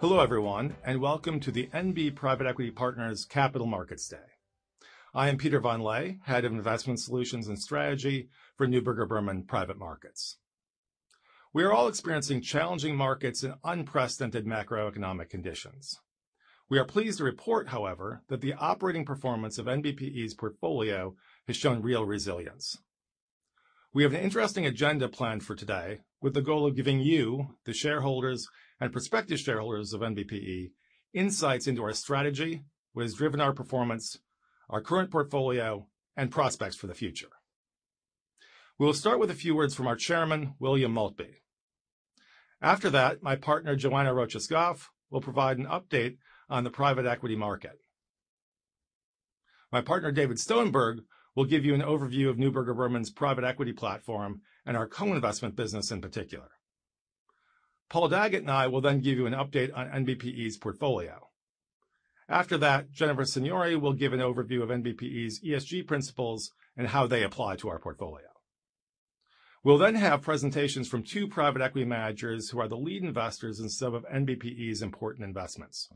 Hello everyone, and welcome to the NB Private Equity Partners Capital Markets Day. I am Peter von Lehe, Head of Investment Solutions and Strategy for Neuberger Berman Private Markets. We are all experiencing challenging markets in unprecedented macroeconomic conditions. We are pleased to report, however, that the operating performance of NBPE's portfolio has shown real resilience. We have an interesting agenda planned for today, with the goal of giving you, the shareholders, and prospective shareholders of NBPE, insights into our strategy, what has driven our performance, our current portfolio, and prospects for the future. We will start with a few words from our Chairman, William Maltby. After that, my partner, Joana Rocha Scaff, will provide an update on the private equity market. My partner, David Stonberg, will give you an overview of Neuberger Berman's Private Equity platform and our Co-investment business in particular. Paul Daggett and I will then give you an update on NBPE's portfolio. After that, Jennifer Signori will give an overview of NBPE's ESG principles and how they apply to our portfolio. We'll then have presentations from two private equity managers who are the lead investors in some of NBPE's important investments.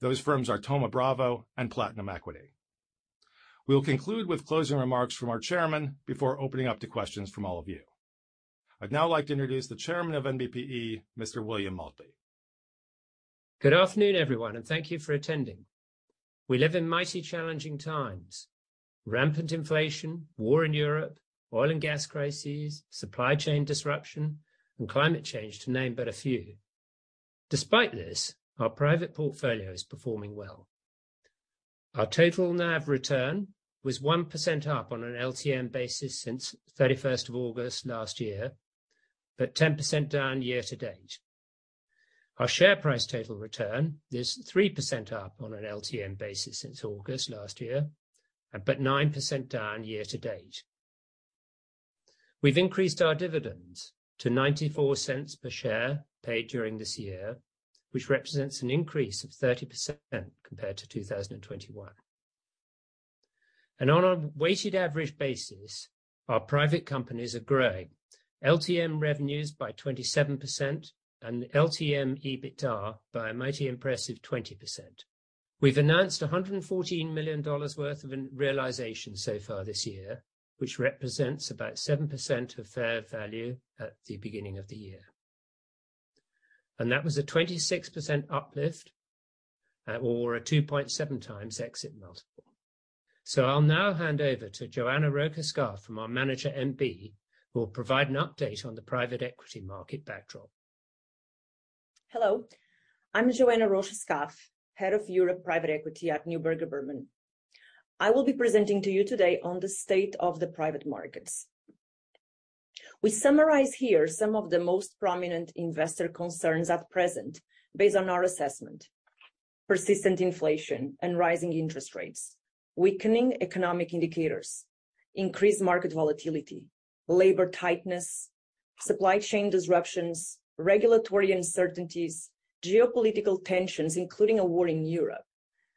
Those firms are Thoma Bravo and Platinum Equity. We will conclude with closing remarks from our chairman before opening up to questions from all of you. I'd now like to introduce the chairman of NBPE, Mr. William Maltby. Good afternoon, everyone, and thank you for attending. We live in mighty challenging times, rampant inflation, war in Europe, oil and gas crises, supply chain disruption, and climate change to name but a few. Despite this, our private portfolio is performing well. Our total NAV return was 1% up on an LTM basis since 31st of August last year, but 10% down year to date. Our share price total return is 3% up on an LTM basis since August last year, but 9% down year-to-date. We've increased our dividends to $0.94 per share paid during this year, which represents an increase of 30% compared to 2021. On a weighted average basis, our private companies are growing LTM revenues by 27% and LTM EBITDA by a mighty impressive 20%. We've announced $114 million worth of realization so far this year, which represents about 7% of fair value at the beginning of the year. That was a 26% uplift or a 2.7x exit multiple. I'll now hand over to Joana Rocha Scaff from our manager, NB, who will provide an update on the private equity market backdrop. Hello, I'm Joana Rocha Scaff, Head of Europe Private Equity at Neuberger Berman. I will be presenting to you today on the state of the private markets. We summarize here some of the most prominent investor concerns at present based on our assessment. Persistent inflation and rising interest rates, weakening economic indicators, increased market volatility, labor tightness, supply chain disruptions, regulatory uncertainties, geopolitical tensions, including a war in Europe,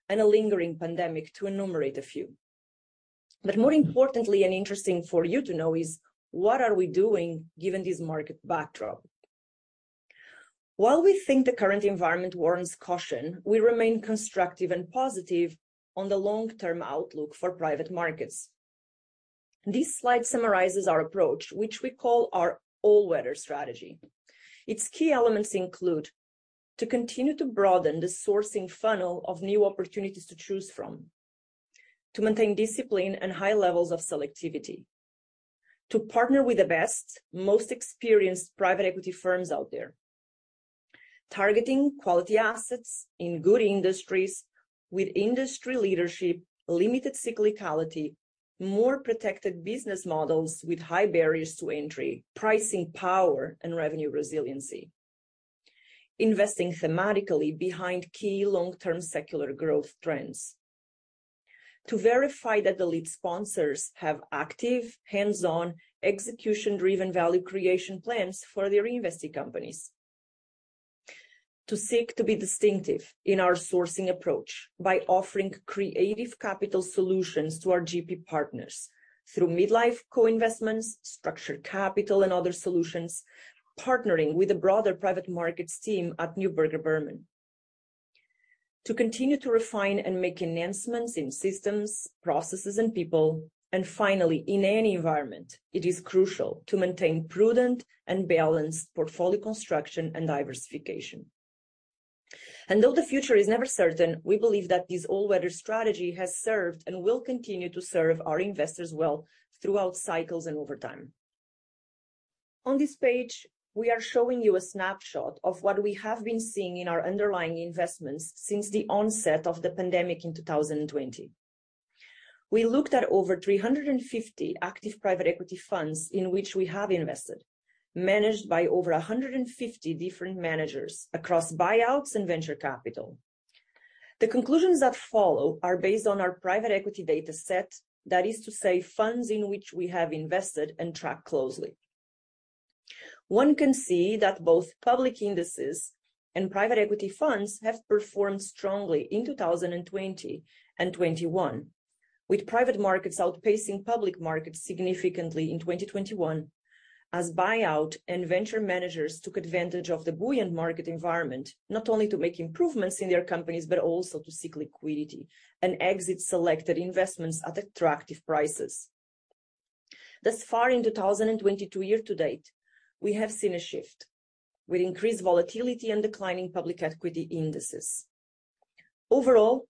and a lingering pandemic, to enumerate a few. More importantly, and interesting for you to know is: what are we doing given this market backdrop? While we think the current environment warrants caution, we remain constructive and positive on the long-term outlook for private markets. This slide summarizes our approach, which we call our all-weather strategy. Its key elements include, to continue to broaden the sourcing funnel of new opportunities to choose from. To maintain discipline and high levels of selectivity. To partner with the best, most experienced private equity firms out there. Targeting quality assets in good industries with industry leadership, limited cyclicality, more protected business models with high barriers to entry, pricing power, and revenue resiliency. Investing thematically behind key long-term secular growth trends. To verify that the lead sponsors have active hands-on execution-driven value creation plans for their investee companies. To seek to be distinctive in our sourcing approach by offering creative capital solutions to our GP partners through mid-life co-investments, structured capital, and other solutions, partnering with the broader private markets team at Neuberger Berman. To continue to refine and make enhancements in systems, processes, and people. Finally, in any environment, it is crucial to maintain prudent and balanced portfolio construction and diversification. Though the future is never certain, we believe that this all-weather strategy has served and will continue to serve our investors well throughout cycles and over time. On this page, we are showing you a snapshot of what we have been seeing in our underlying investments since the onset of the pandemic in 2020. We looked at over 350 active private equity funds in which we have invested, managed by over 150 different managers across buyouts and venture capital. The conclusions that follow are based on our private equity dataset, that is to say, funds in which we have invested and tracked closely. One can see that both public indices and private equity funds have performed strongly in 2020 and 2021. With private markets outpacing public markets significantly in 2021 as buyout and venture managers took advantage of the buoyant market environment, not only to make improvements in their companies, but also to seek liquidity and exit selected investments at attractive prices. Thus far in the 2022 year to date, we have seen a shift with increased volatility and declining public equity indices. Overall,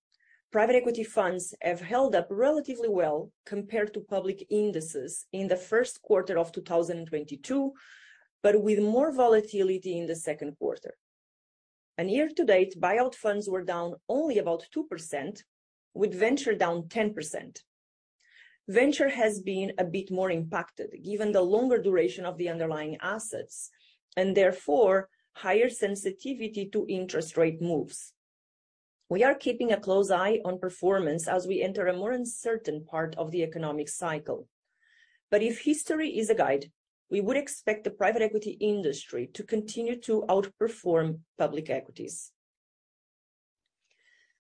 private equity funds have held up relatively well compared to public indices in the first quarter of 2022, but with more volatility in the second quarter. Year to date, buyout funds were down only about 2%, with venture down 10%. Venture has been a bit more impacted given the longer duration of the underlying assets and therefore higher sensitivity to interest rate moves. We are keeping a close eye on performance as we enter a more uncertain part of the economic cycle. If history is a guide, we would expect the private equity industry to continue to outperform public equities.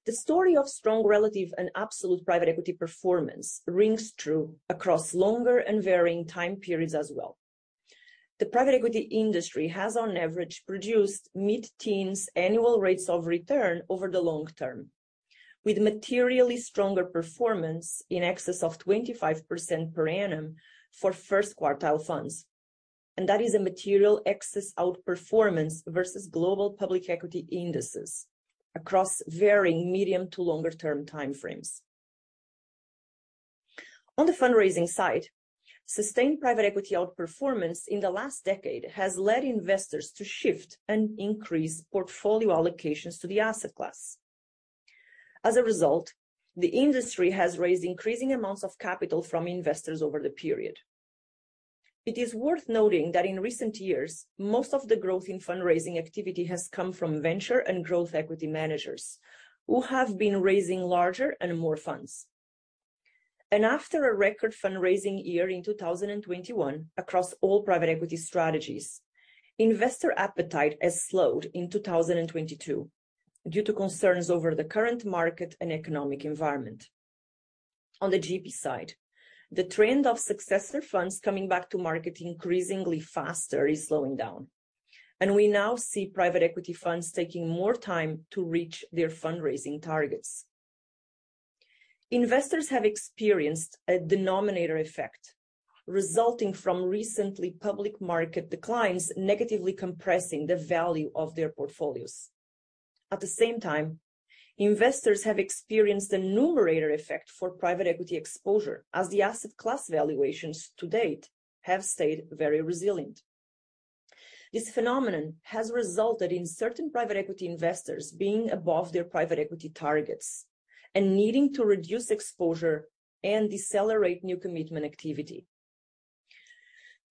The story of strong relative and absolute private equity performance rings true across longer and varying time periods as well. The private equity industry has on average produced mid-teens annual rates of return over the long term, with materially stronger performance in excess of 25% per annum for first quartile funds. That is a material excess outperformance versus global public equity indices across varying medium to longer term time frames. On the fundraising side, sustained private equity outperformance in the last decade has led investors to shift and increase portfolio allocations to the asset class. As a result, the industry has raised increasing amounts of capital from investors over the period. It is worth noting that in recent years, most of the growth in fundraising activity has come from venture and growth equity managers who have been raising larger and more funds. After a record fundraising year in 2021 across all private equity strategies, investor appetite has slowed in 2022 due to concerns over the current market and economic environment. On the GP side, the trend of successor funds coming back to market increasingly faster is slowing down, and we now see private equity funds taking more time to reach their fundraising targets. Investors have experienced a denominator effect resulting from recently public market declines, negatively compressing the value of their portfolios. At the same time, investors have experienced a numerator effect for private equity exposure as the asset class valuations to date have stayed very resilient. This phenomenon has resulted in certain private equity investors being above their private equity targets and needing to reduce exposure and decelerate new commitment activity.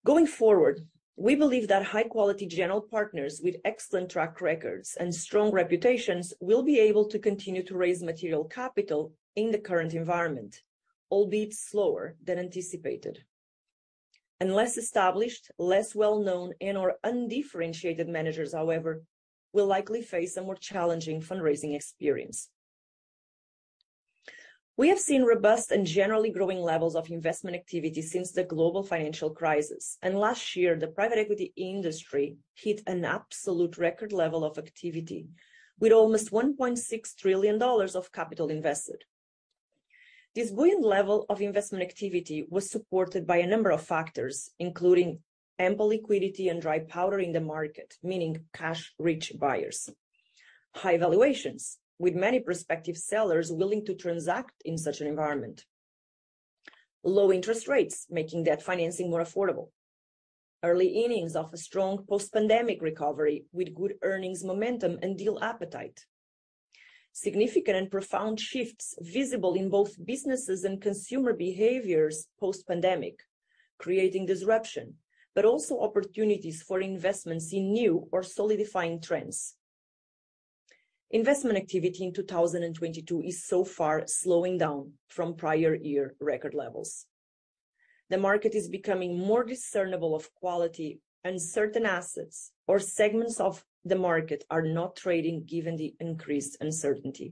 Going forward, we believe that high quality general partners with excellent track records and strong reputations will be able to continue to raise material capital in the current environment, albeit slower than anticipated. Less established, less well-known and/or undifferentiated managers, however, will likely face a more challenging fundraising experience. We have seen robust and generally growing levels of investment activity since the global financial crisis. Last year the private equity industry hit an absolute record level of activity with almost $1.6 trillion of capital invested. This buoyant level of investment activity was supported by a number of factors, including ample liquidity and dry powder in the market, meaning cash-rich buyers, high valuations with many prospective sellers willing to transact in such an environment, low interest rates making debt financing more affordable, early innings of a strong post-pandemic recovery with good earnings momentum and deal appetite, significant and profound shifts visible in both businesses and consumer behaviors post-pandemic, creating disruption, but also opportunities for investments in new or solidifying trends. Investment activity in 2022 is so far slowing down from prior year record levels. The market is becoming more discerning of quality, and certain assets or segments of the market are not trading given the increased uncertainty.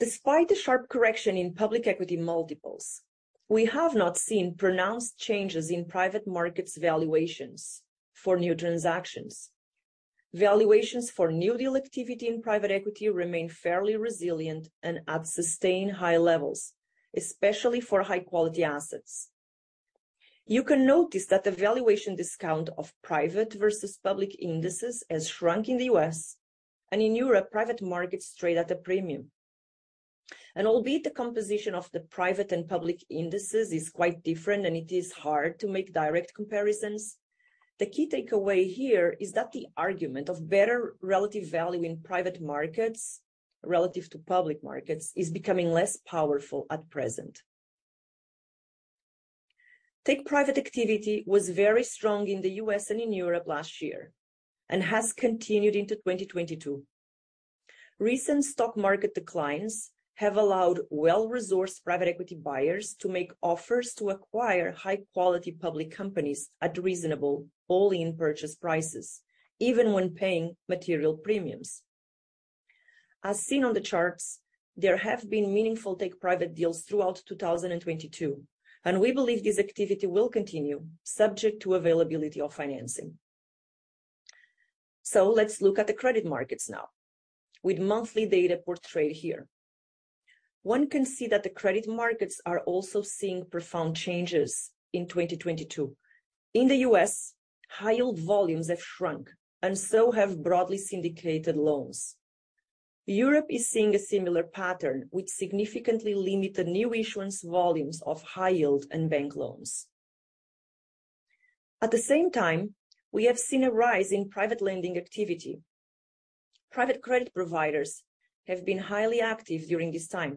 Despite the sharp correction in public equity multiples, we have not seen pronounced changes in private markets valuations for new transactions. Valuations for new deal activity in private equity remain fairly resilient and at sustained high levels, especially for high-quality assets. You can notice that the valuation discount of private versus public indices has shrunk in the U.S., and in Europe private markets trade at a premium. Albeit the composition of the private and public indices is quite different and it is hard to make direct comparisons, the key takeaway here is that the argument of better relative value in private markets relative to public markets is becoming less powerful at present. Take-private activity was very strong in the U.S. and in Europe last year and has continued into 2022. Recent stock market declines have allowed well-resourced private equity buyers to make offers to acquire high-quality public companies at reasonable all-in purchase prices, even when paying material premiums. As seen on the charts, there have been meaningful take-private deals throughout 2022, and we believe this activity will continue subject to availability of financing. Let's look at the credit markets now with monthly data portrayed here. One can see that the credit markets are also seeing profound changes in 2022. In the U.S., high yield volumes have shrunk, and so have broadly syndicated loans. Europe is seeing a similar pattern which significantly limited new issuance volumes of high yield and bank loans. At the same time, we have seen a rise in private lending activity. Private credit providers have been highly active during this time,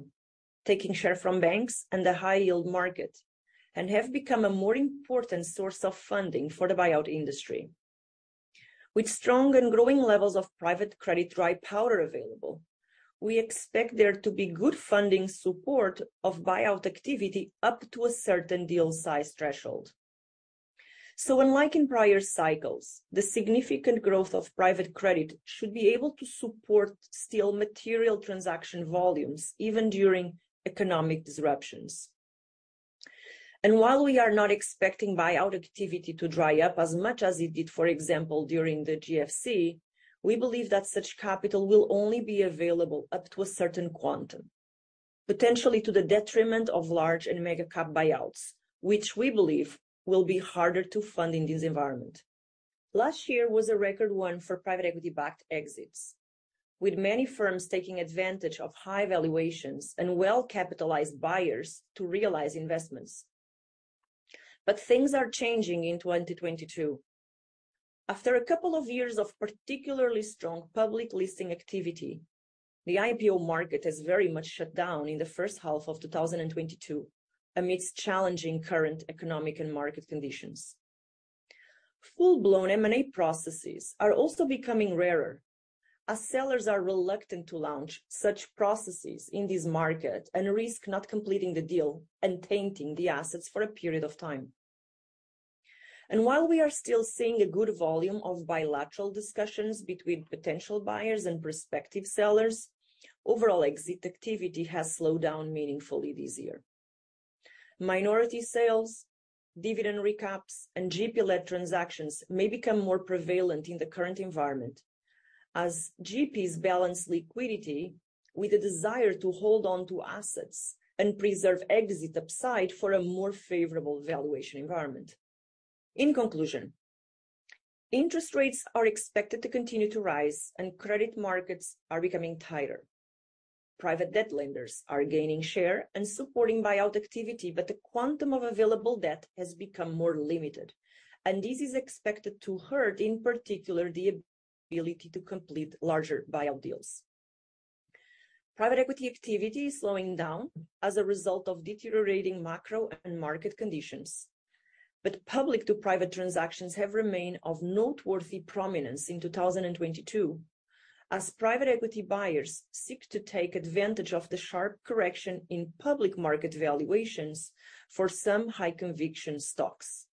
taking share from banks and the high-yield market, and have become a more important source of funding for the buyout industry. With strong and growing levels of private credit dry powder available, we expect there to be good funding support of buyout activity up to a certain deal size threshold. Unlike in prior cycles, the significant growth of private credit should be able to support still material transaction volumes, even during economic disruptions. While we are not expecting buyout activity to dry up as much as it did, for example, during the GFC, we believe that such capital will only be available up to a certain quantum, potentially to the detriment of large and mega-cap buyouts, which we believe will be harder to fund in this environment. Last year was a record one for private equity-backed exits, with many firms taking advantage of high valuations and well-capitalized buyers to realize investments. Things are changing in 2022. After a couple of years of particularly strong public listing activity, the IPO market has very much shut down in the first half of 2022 amidst challenging current economic and market conditions. Full-blown M&A processes are also becoming rarer, as sellers are reluctant to launch such processes in this market and risk not completing the deal and tainting the assets for a period of time. While we are still seeing a good volume of bilateral discussions between potential buyers and prospective sellers, overall exit activity has slowed down meaningfully this year. Minority sales, dividend recaps, and GP-led transactions may become more prevalent in the current environment as GPs balance liquidity with the desire to hold on to assets and preserve exit upside for a more favorable valuation environment. In conclusion, interest rates are expected to continue to rise, and credit markets are becoming tighter. Private debt lenders are gaining share and supporting buyout activity, but the quantum of available debt has become more limited, and this is expected to hurt, in particular, the ability to complete larger buyout deals. Private equity activity is slowing down as a result of deteriorating macro and market conditions. Public-to-private transactions have remained of noteworthy prominence in 2022 as private equity buyers seek to take advantage of the sharp correction in public market valuations for some high-conviction stocks.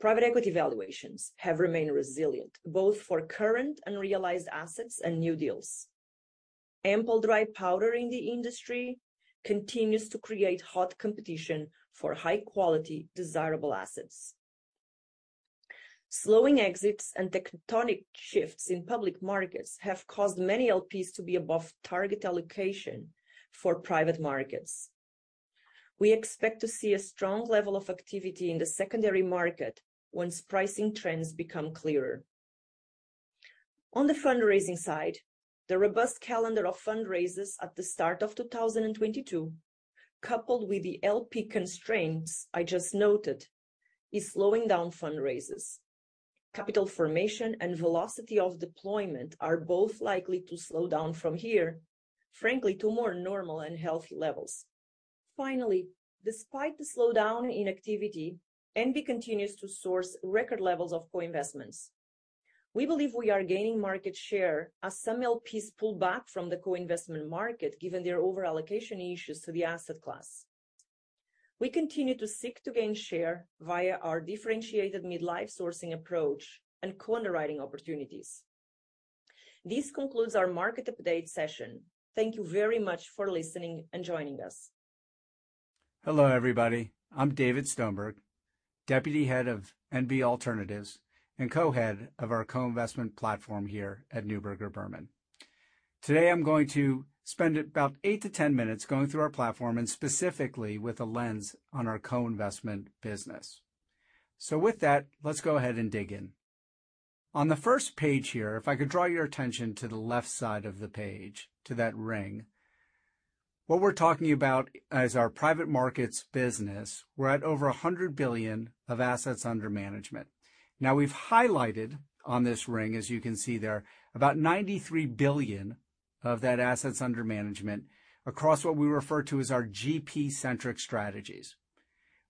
Private equity valuations have remained resilient, both for current unrealized assets and new deals. Ample dry powder in the industry continues to create hot competition for high-quality, desirable assets. Slowing exits and tectonic shifts in public markets have caused many LPs to be above target allocation for private markets. We expect to see a strong level of activity in the secondary market once pricing trends become clearer. On the fundraising side, the robust calendar of fundraisers at the start of 2022, coupled with the LP constraints I just noted, is slowing down fundraisers. Capital formation and velocity of deployment are both likely to slow down from here, frankly, to more normal and healthy levels. Finally, despite the slowdown in activity, NB continues to source record levels of co-investments. We believe we are gaining market share as some LPs pull back from the co-investment market given their over-allocation issues to the asset class. We continue to seek to gain share via our differentiated mid-life sourcing approach and co-underwriting opportunities. This concludes our market update session. Thank you very much for listening and joining us. Hello, everybody. I'm David Stoneberg, Deputy Head of NB Alternatives and Co-Head of our co-investment platform here at Neuberger Berman. Today, I'm going to spend about 8-10 minutes going through our platform and specifically with a lens on our co-investment business. With that, let's go ahead and dig in. On the first page here, if I could draw your attention to the left side of the page, to that ring. What we're talking about as our private markets business, we're at over $100 billion of assets under management. Now, we've highlighted on this ring, as you can see there, about $93 billion of that assets under management across what we refer to as our GP-centric strategies.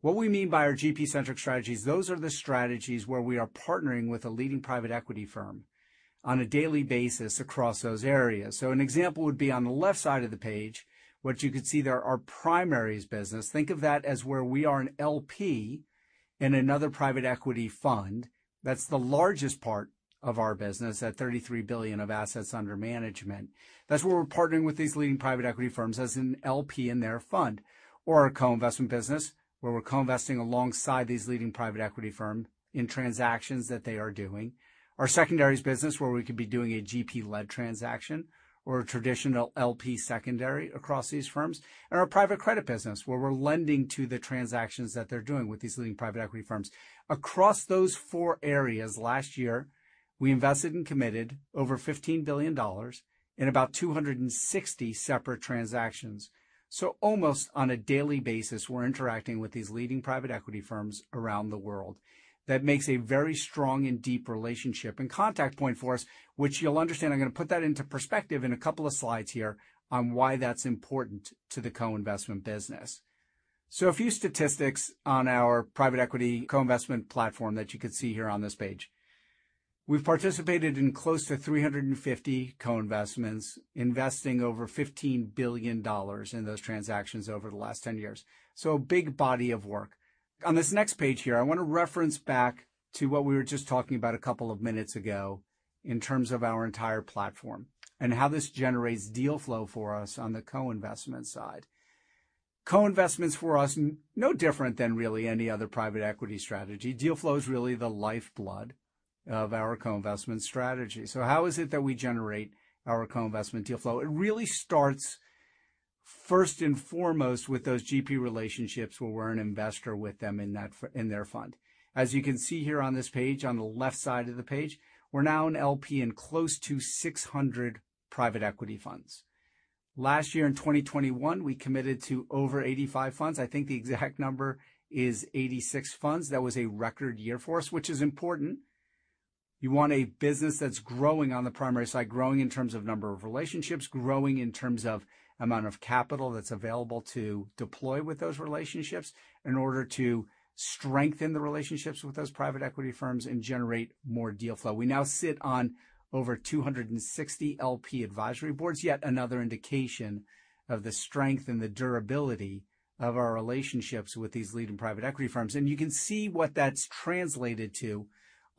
What we mean by our GP-centric strategies, those are the strategies where we are partnering with a leading private equity firm on a daily basis across those areas. An example would be on the left side of the page, what you could see there, our primaries business. Think of that as where we are an LP in another private equity fund, that's the largest part of our business at $33 billion of assets under management. That's where we're partnering with these leading private equity firms as an LP in their fund or our co-investment business, where we're co-investing alongside these leading private equity firm in transactions that they are doing. Our secondaries business, where we could be doing a GP-led transaction or a traditional LP secondary across these firms. Our private credit business, where we're lending to the transactions that they're doing with these leading private equity firms. Across those four areas, last year, we invested and committed over $15 billion in about 260 separate transactions. Almost on a daily basis, we're interacting with these leading private equity firms around the world. That makes a very strong and deep relationship and contact point for us, which you'll understand. I'm gonna put that into perspective in a couple of slides here on why that's important to the co-investment business. A few statistics on our private equity co-investment platform that you can see here on this page. We've participated in close to 350 co-investments, investing over $15 billion in those transactions over the last 10 years. A big body of work. On this next page here, I wanna reference back to what we were just talking about a couple of minutes ago in terms of our entire platform and how this generates deal flow for us on the co-investment side. Co-investments for us, no different than really any other private equity strategy. Deal flow is really the lifeblood of our co-investment strategy. How is it that we generate our co-investment deal flow? It really starts first and foremost with those GP relationships where we're an investor with them in their fund. As you can see here on this page, on the left side of the page, we're now an LP in close to 600 private equity funds. Last year, in 2021, we committed to over 85 funds. I think the exact number is 86 funds. That was a record year for us, which is important. You want a business that's growing on the primary side, growing in terms of number of relationships, growing in terms of amount of capital that's available to deploy with those relationships in order to strengthen the relationships with those private equity firms and generate more deal flow. We now sit on over 260 LP advisory boards, yet another indication of the strength and the durability of our relationships with these leading private equity firms. You can see what that's translated to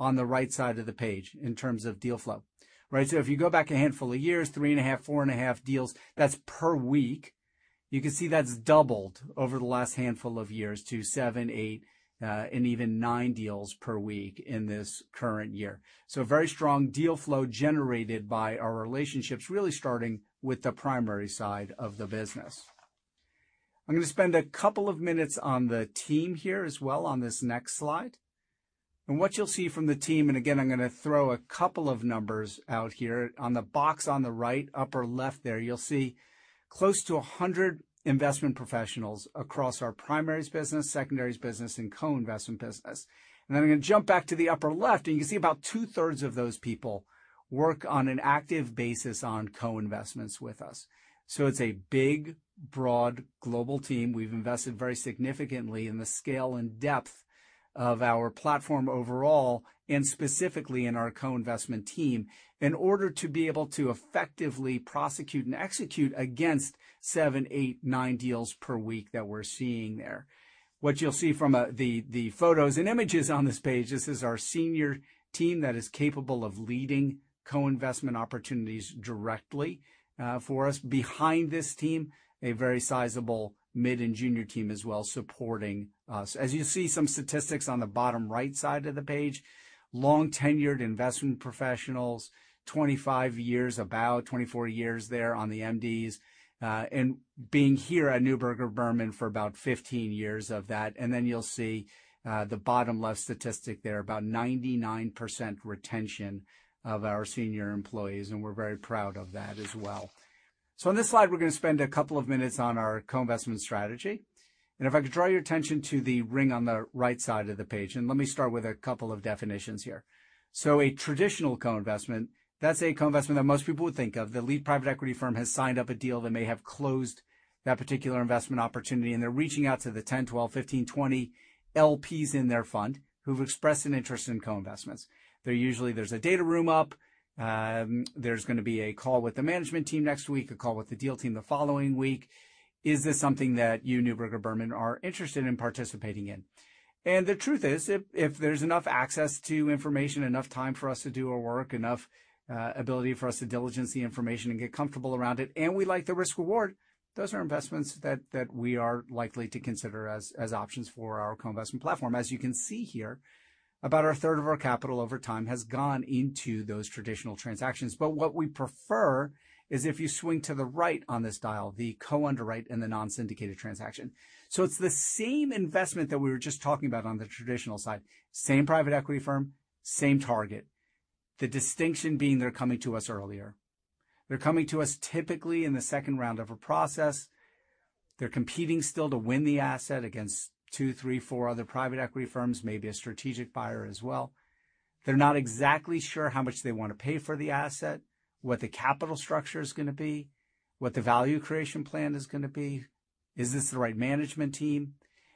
on the right side of the page in terms of deal flow. Right? So if you go back a handful of years, 3.5, 4.5 deals, that's per week. You can see that's doubled over the last handful of years to seven, eight, and even nine deals per week in this current year. Very strong deal flow generated by our relationships, really starting with the primary side of the business. I'm gonna spend a couple of minutes on the team here as well on this next slide. What you'll see from the team, and again, I'm gonna throw a couple of numbers out here. On the box on the right, upper left there, you'll see close to 100 investment professionals across our primaries business, secondaries business, and co-investment business. Then I'm gonna jump back to the upper left, and you can see about 2/3s of those people work on an active basis on co-investments with us. It's a big, broad global team. We've invested very significantly in the scale and depth of our platform overall, and specifically in our co-investment team, in order to be able to effectively prosecute and execute against seven, eight, nine deals per week that we're seeing there. What you'll see from the photos and images on this page, this is our senior team that is capable of leading co-investment opportunities directly for us. Behind this team, a very sizable mid and junior team as well, supporting us. As you see some statistics on the bottom right side of the page, long-tenured investment professionals, 25 years, about 24 years there on the MDs, and being here at Neuberger Berman for about 15 years of that. Then you'll see the bottom left statistic there, about 99% retention of our senior employees, and we're very proud of that as well. On this slide, we're gonna spend a couple of minutes on our co-investment strategy. If I could draw your attention to the ring on the right side of the page, and let me start with a couple of definitions here. A traditional co-investment, that's a co-investment that most people would think of. The lead private equity firm has signed up a deal. They may have closed that particular investment opportunity, and they're reaching out to the 10, 12, 15, 20 LPs in their fund who've expressed an interest in co-investments. They're usually, there's a data room up. There's gonna be a call with the management team next week, a call with the deal team the following week. Is this something that you, Neuberger Berman, are interested in participating in? The truth is, if there's enough access to information, enough time for us to do our work, enough ability for us to diligence the information and get comfortable around it, and we like the risk-reward, those are investments that we are likely to consider as options for our co-investment platform. As you can see here, about 1/3 of our capital over time has gone into those traditional transactions. What we prefer is if you swing to the right on this dial, the co-underwrite and the non-syndicated transaction. It's the same investment that we were just talking about on the traditional side, same private equity firm, same target. The distinction being they're coming to us earlier. They're coming to us typically in the second round of a process. They're competing still to win the asset against two, three, four other private equity firms, maybe a strategic buyer as well. They're not exactly sure how much they wanna pay for the asset, what the capital structure is gonna be, what the value creation plan is gonna be. Is this the right management team?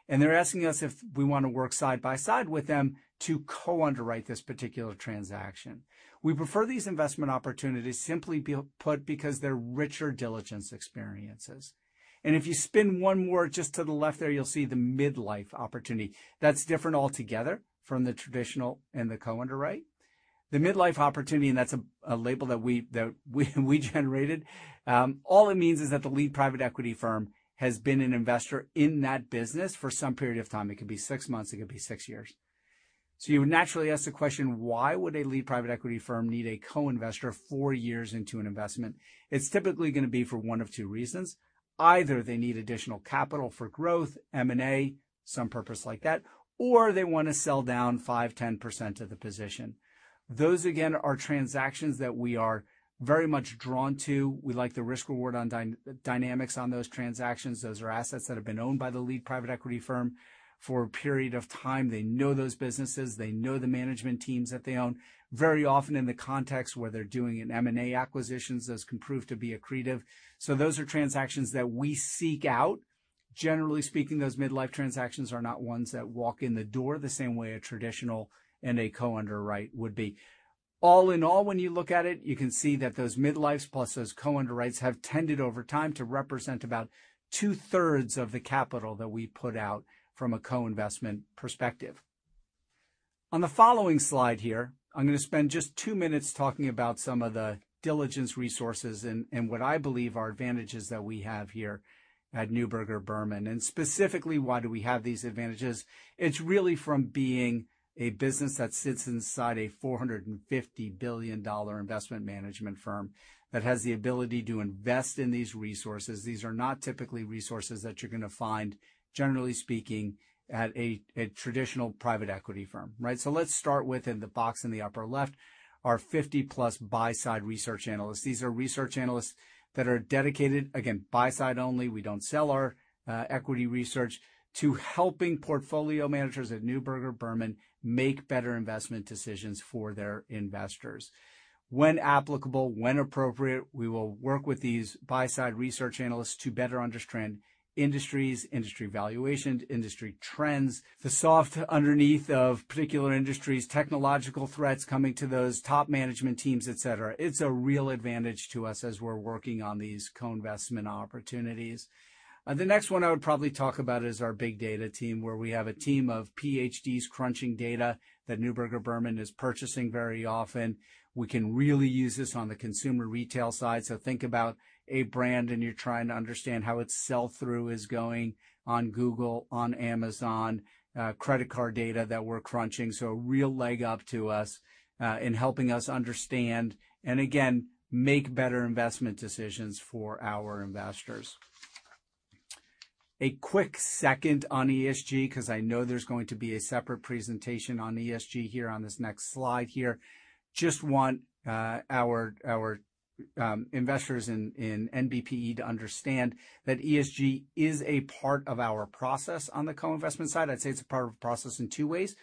They're asking us if we wanna work side by side with them to co-underwrite this particular transaction. We prefer these investment opportunities, simply put, because they're richer diligence experiences. If you spin one more just to the left there, you'll see the mid-life opportunity. That's different altogether from the traditional and the co-underwrite. The mid-life opportunity. That's a label that we generated. All it means is that the lead private equity firm has been an investor in that business for some period of time. It could be six months, it could be six years. You would naturally ask the question, why would a lead private equity firm need a co-investor four years into an investment? It's typically gonna be for one of two reasons. Either they need additional capital for growth, M&A, some purpose like that, or they wanna sell down 5%-10% of the position. Those, again, are transactions that we are very much drawn to. We like the risk-reward dynamics on those transactions. Those are assets that have been owned by the lead private equity firm for a period of time. They know those businesses, they know the management teams that they own. Very often in the context where they're doing an M&A acquisitions, those can prove to be accretive. Those are transactions that we seek out. Generally speaking, those mid-life transactions are not ones that walk in the door the same way a traditional and a co-underwrite would be. All in all, when you look at it, you can see that those mid-lifes plus those co-underwrites have tended over time to represent about 2/3s of the capital that we put out from a co-investment perspective. On the following slide here, I'm gonna spend just two minutes talking about some of the diligence resources and what I believe are advantages that we have here at Neuberger Berman, and specifically, why do we have these advantages? It's really from being a business that sits inside a $450 billion investment management firm that has the ability to invest in these resources. These are not typically resources that you're gonna find, generally speaking, at a traditional private equity firm, right? Let's start with, in the box in the upper left, our 50+ buy-side research analysts. These are research analysts that are dedicated, again, buy-side only. We don't sell our equity research to helping portfolio managers at Neuberger Berman make better investment decisions for their investors. When applicable, when appropriate, we will work with these buy-side research analysts to better understand industries, industry valuations, industry trends, the stuff underneath of particular industries, technological threats coming to those top management teams, et cetera. It's a real advantage to us as we're working on these co-investment opportunities. The next one I would probably talk about is our big data team, where we have a team of PhDs crunching data that Neuberger Berman is purchasing very often. We can really use this on the consumer retail side. Think about a brand, and you're trying to understand how its sell-through is going on Google, on Amazon, credit card data that we're crunching. A real leg up to us, in helping us understand, and again, make better investment decisions for our investors. A quick second on ESG, 'cause I know there's going to be a separate presentation on ESG here on this next slide here. Just want our investors in NBPE to understand that ESG is a part of our process on the co-investment side. I'd say it's a part of process in two ways.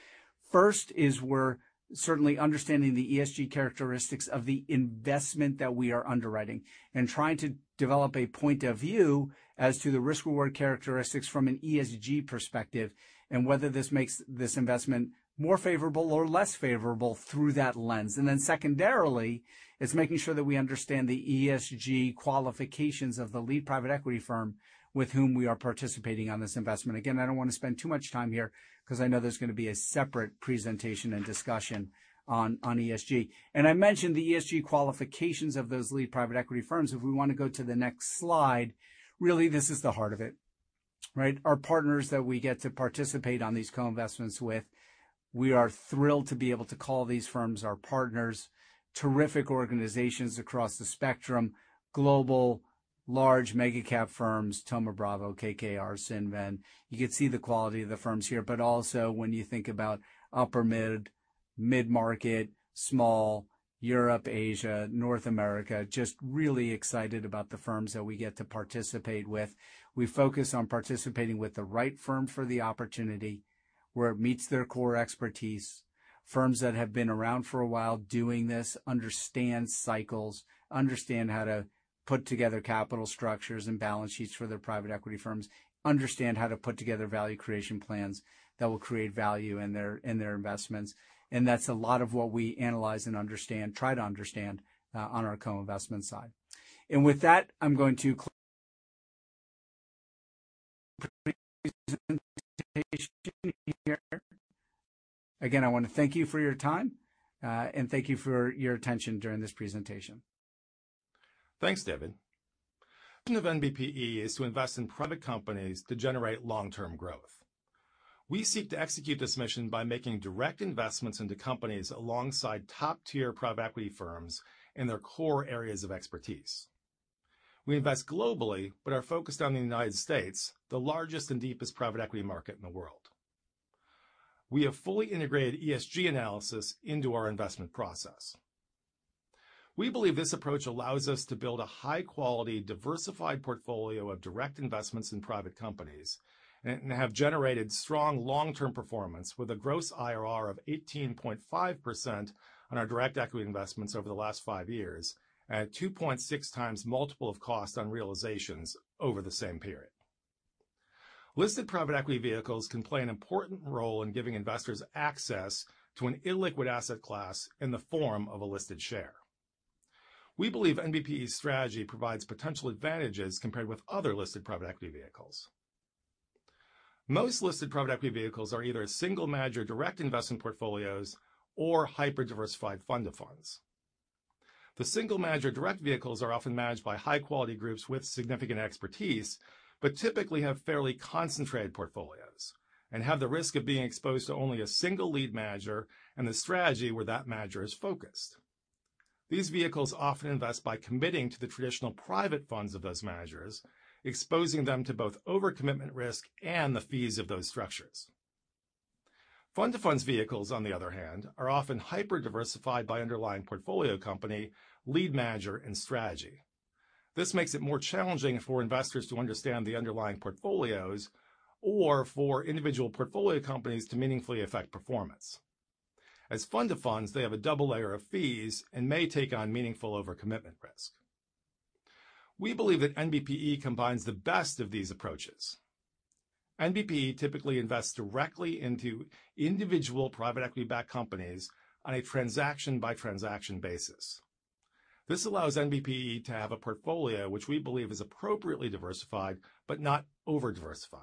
First is we're certainly understanding the ESG characteristics of the investment that we are underwriting and trying to develop a point of view as to the risk-reward characteristics from an ESG perspective, and whether this makes this investment more favorable or less favorable through that lens. Then secondarily, is making sure that we understand the ESG qualifications of the lead private equity firm with whom we are participating on this investment. Again, I don't wanna spend too much time here 'cause I know there's gonna be a separate presentation and discussion on ESG. I mentioned the ESG qualifications of those lead private equity firms. If we wanna go to the next slide. Really, this is the heart of it, right? Our partners that we get to participate on these co-investments with, we are thrilled to be able to call these firms our partners. Terrific organizations across the spectrum, global, large mega-cap firms, Thoma Bravo, KKR, Cinven. You can see the quality of the firms here, but also when you think about upper mid-market, small, Europe, Asia, North America. Just really excited about the firms that we get to participate with. We focus on participating with the right firm for the opportunity, where it meets their core expertise. Firms that have been around for a while doing this, understand cycles, understand how to put together capital structures and balance sheets for their private equity firms, understand how to put together value creation plans that will create value in their investments. That's a lot of what we analyze and understand, try to understand, on our co-investment side. With that, Again, I wanna thank you for your time, and thank you for your attention during this presentation. Thanks, David. The mission of NBPE is to invest in private companies to generate long-term growth. We seek to execute this mission by making direct investments into companies alongside top-tier private equity firms in their core areas of expertise. We invest globally, but are focused on the United States, the largest and deepest private equity market in the world. We have fully integrated ESG analysis into our investment process. We believe this approach allows us to build a high-quality, diversified portfolio of direct investments in private companies and have generated strong long-term performance with a gross IRR of 18.5% on our direct equity investments over the last five years, at 2.6x multiple of cost on realizations over the same period. Listed private equity vehicles can play an important role in giving investors access to an illiquid asset class in the form of a listed share. We believe NBPE's strategy provides potential advantages compared with other listed private equity vehicles. Most listed private equity vehicles are either single manager direct investment portfolios or hyper-diversified fund of funds. The single manager direct vehicles are often managed by high-quality groups with significant expertise, but typically have fairly concentrated portfolios and have the risk of being exposed to only a single lead manager and the strategy where that manager is focused. These vehicles often invest by committing to the traditional private funds of those managers, exposing them to both over-commitment risk and the fees of those structures. Fund of funds vehicles, on the other hand, are often hyper-diversified by underlying portfolio company, lead manager, and strategy. This makes it more challenging for investors to understand the underlying portfolios or for individual portfolio companies to meaningfully affect performance. As fund of funds, they have a double layer of fees and may take on meaningful over-commitment risk. We believe that NBPE combines the best of these approaches. NBPE typically invests directly into individual private equity-backed companies on a transaction-by-transaction basis. This allows NBPE to have a portfolio which we believe is appropriately diversified but not over-diversified.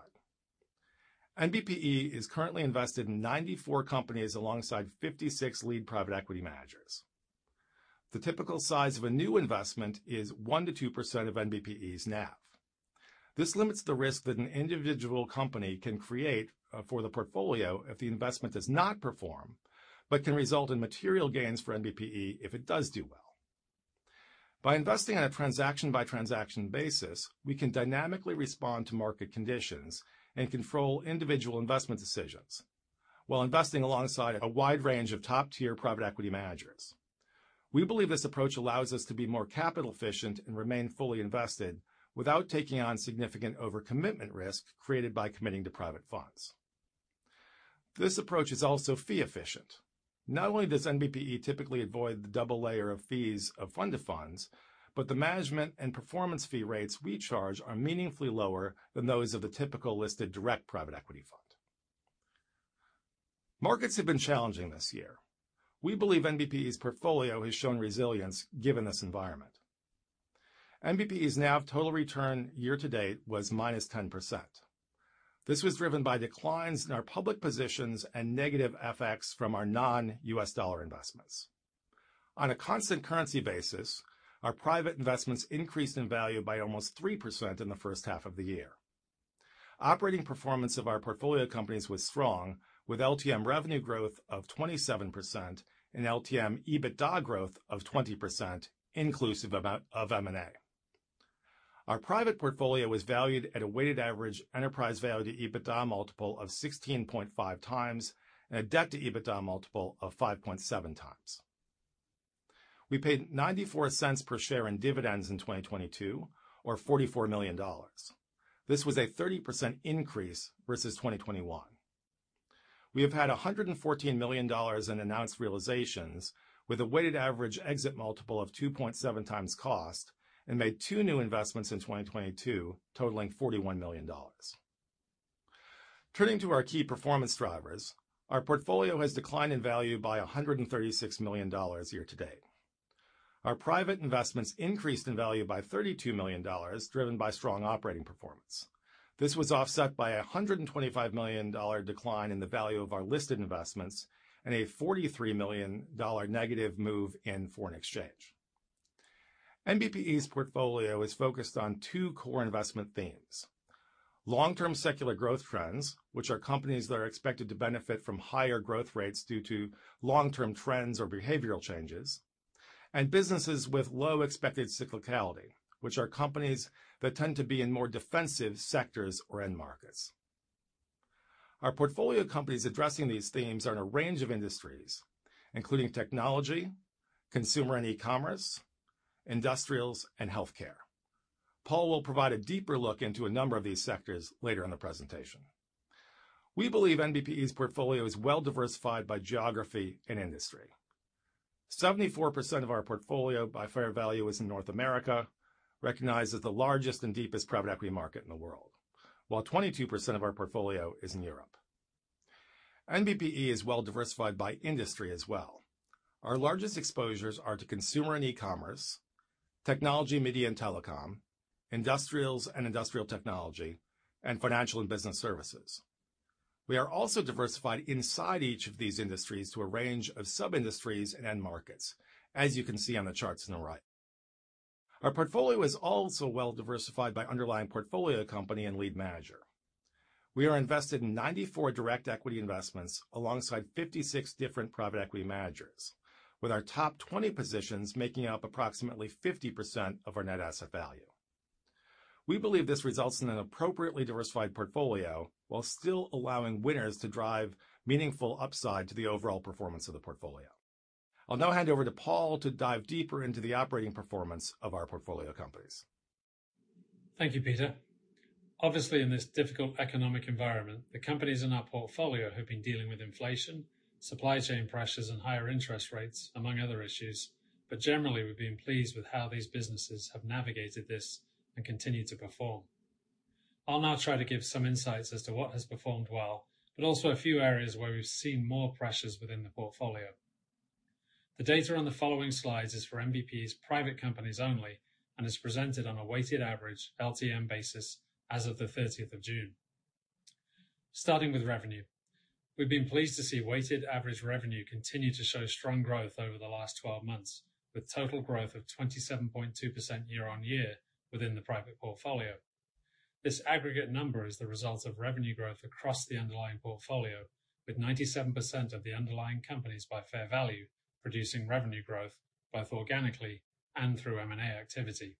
NBPE is currently invested in 94 companies alongside 56 lead private equity managers. The typical size of a new investment is 1%-2% of NBPE's NAV. This limits the risk that an individual company can create for the portfolio if the investment does not perform, but can result in material gains for NBPE if it does do well. By investing on a transaction-by-transaction basis, we can dynamically respond to market conditions and control individual investment decisions while investing alongside a wide range of top-tier private equity managers. We believe this approach allows us to be more capital efficient and remain fully invested without taking on significant over-commitment risk created by committing to private funds. This approach is also fee efficient. Not only does NBPE typically avoid the double layer of fees of fund of funds, but the management and performance fee rates we charge are meaningfully lower than those of a typical listed direct private equity fund. Markets have been challenging this year. We believe NBPE's portfolio has shown resilience given this environment. NBPE's NAV total return year-to-date was minus 10%. This was driven by declines in our public positions and negative FX from our non-US dollar investments. On a constant currency basis, our private investments increased in value by almost 3% in the first half of the year. Operating performance of our portfolio companies was strong, with LTM revenue growth of 27% and LTM EBITDA growth of 20% inclusive of M&A. Our private portfolio was valued at a weighted average enterprise value-to-EBITDA multiple of 16.5x, and a debt-to-EBITDA multiple of 5.7x. We paid $0.94 per share in dividends in 2022 or $44 million. This was a 30% increase versus 2021. We have had $114 million in announced realizations with a weighted average exit multiple of 2.7x cost, and made two new investments in 2022 totaling $41 million. Turning to our key performance drivers, our portfolio has declined in value by $136 million year-to-date. Our private investments increased in value by $32 million driven by strong operating performance. This was offset by a $125 million decline in the value of our listed investments and a $43 million negative move in foreign exchange. NBPE's portfolio is focused on two core investment themes. Long-term secular growth trends, which are companies that are expected to benefit from higher growth rates due to long-term trends or behavioral changes. Businesses with low expected cyclicality, which are companies that tend to be in more defensive sectors or end markets. Our portfolio companies addressing these themes are in a range of industries, including technology, consumer and e-commerce, industrials, and healthcare. Paul will provide a deeper look into a number of these sectors later in the presentation. We believe NBPE's portfolio is well-diversified by geography and industry. 74% of our portfolio by fair value is in North America, recognized as the largest and deepest private equity market in the world, while 22% of our portfolio is in Europe. NBPE is well-diversified by industry as well. Our largest exposures are to consumer and e-commerce, technology, media, and telecom, industrials and industrial technology, and financial and business services. We are also diversified inside each of these industries to a range of sub-industries and end markets, as you can see on the charts on the right. Our portfolio is also well-diversified by underlying portfolio company and lead manager. We are invested in 94 direct equity investments alongside 56 different private equity managers. With our top 20 positions making up approximately 50% of our net asset value. We believe this results in an appropriately diversified portfolio while still allowing winners to drive meaningful upside to the overall performance of the portfolio. I'll now hand over to Paul to dive deeper into the operating performance of our portfolio companies. Thank you, Peter. Obviously, in this difficult economic environment, the companies in our portfolio have been dealing with inflation, supply chain pressures, and higher interest rates, among other issues. Generally, we've been pleased with how these businesses have navigated this and continue to perform. I'll now try to give some insights as to what has performed well, but also a few areas where we've seen more pressures within the portfolio. The data on the following slides is for NBPE's private companies only and is presented on a weighted average LTM basis as of the 30th of June. Starting with revenue. We've been pleased to see weighted average revenue continue to show strong growth over the last 12 months, with total growth of 27.2% year-on-year within the private portfolio. This aggregate number is the result of revenue growth across the underlying portfolio, with 97% of the underlying companies by fair value, producing revenue growth both organically and through M&A activity.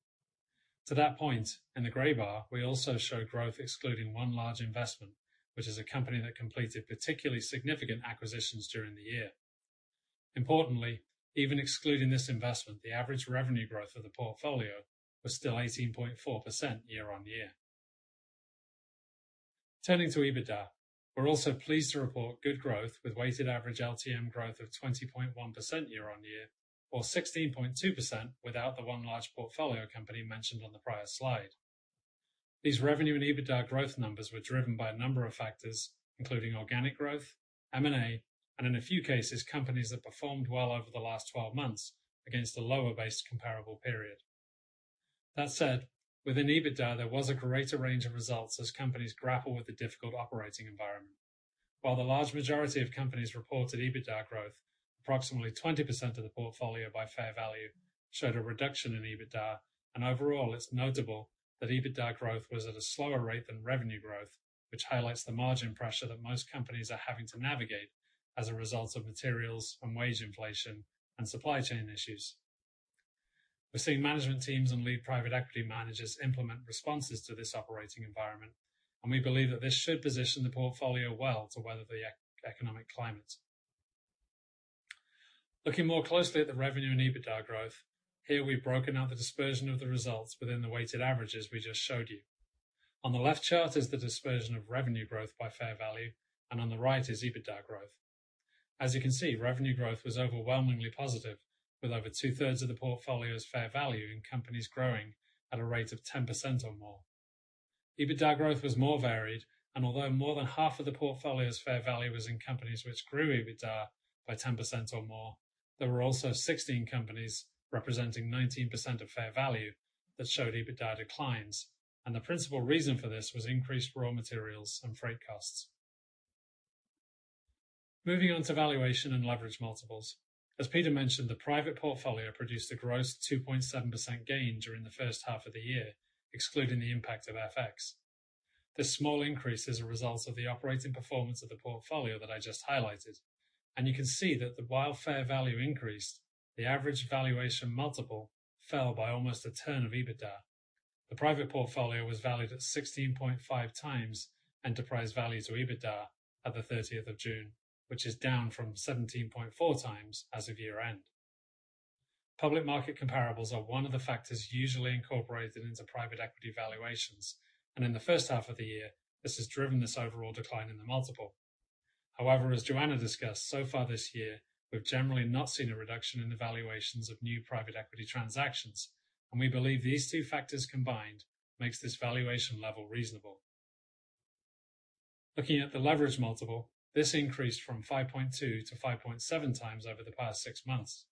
To that point, in the gray bar, we also show growth excluding one large investment, which is a company that completed particularly significant acquisitions during the year. Importantly, even excluding this investment, the average revenue growth of the portfolio was still 18.4% year-on-year. Turning to EBITDA. We're also pleased to report good growth with weighted average LTM growth of 20.1% year-on-year or 16.2% without the one large portfolio company mentioned on the prior slide. These revenue and EBITDA growth numbers were driven by a number of factors, including organic growth, M&A, and in a few cases, companies that performed well over the last 12 months against a lower base comparable period. That said, within EBITDA, there was a greater range of results as companies grapple with the difficult operating environment. While the large majority of companies reported EBITDA growth, approximately 20% of the portfolio by fair value showed a reduction in EBITDA. Overall, it's notable that EBITDA growth was at a slower rate than revenue growth, which highlights the margin pressure that most companies are having to navigate as a result of materials and wage inflation and supply chain issues. We're seeing management teams and lead private equity managers implement responses to this operating environment, and we believe that this should position the portfolio well to weather the economic climate. Looking more closely at the revenue and EBITDA growth. Here we've broken out the dispersion of the results within the weighted averages we just showed you. On the left chart is the dispersion of revenue growth by fair value, and on the right is EBITDA growth. As you can see, revenue growth was overwhelmingly positive, with over 2/3 of the portfolio's fair value in companies growing at a rate of 10% or more. EBITDA growth was more varied, and although more than half of the portfolio's fair value was in companies which grew EBITDA by 10% or more, there were also 16 companies representing 19% of fair value that showed EBITDA declines. The principal reason for this was increased raw materials and freight costs. Moving on to valuation and leverage multiples. As Peter mentioned, the private portfolio produced a gross 2.7% gain during the first half of the year, excluding the impact of FX. This small increase is a result of the operating performance of the portfolio that I just highlighted. You can see that while fair value increased, the average valuation multiple fell by almost a turn of EBITDA. The private portfolio was valued at 16.5x enterprise value to EBITDA at the 30th of June, which is down from 17.4x as of year-end. Public market comparables are one of the factors usually incorporated into private equity valuations, and in the first half of the year, this has driven this overall decline in the multiple. However, as Joana discussed, so far this year, we've generally not seen a reduction in the valuations of new private equity transactions. We believe these two factors combined makes this valuation level reasonable. Looking at the leverage multiple, this increased from 5.2x-5.7x over the past six months.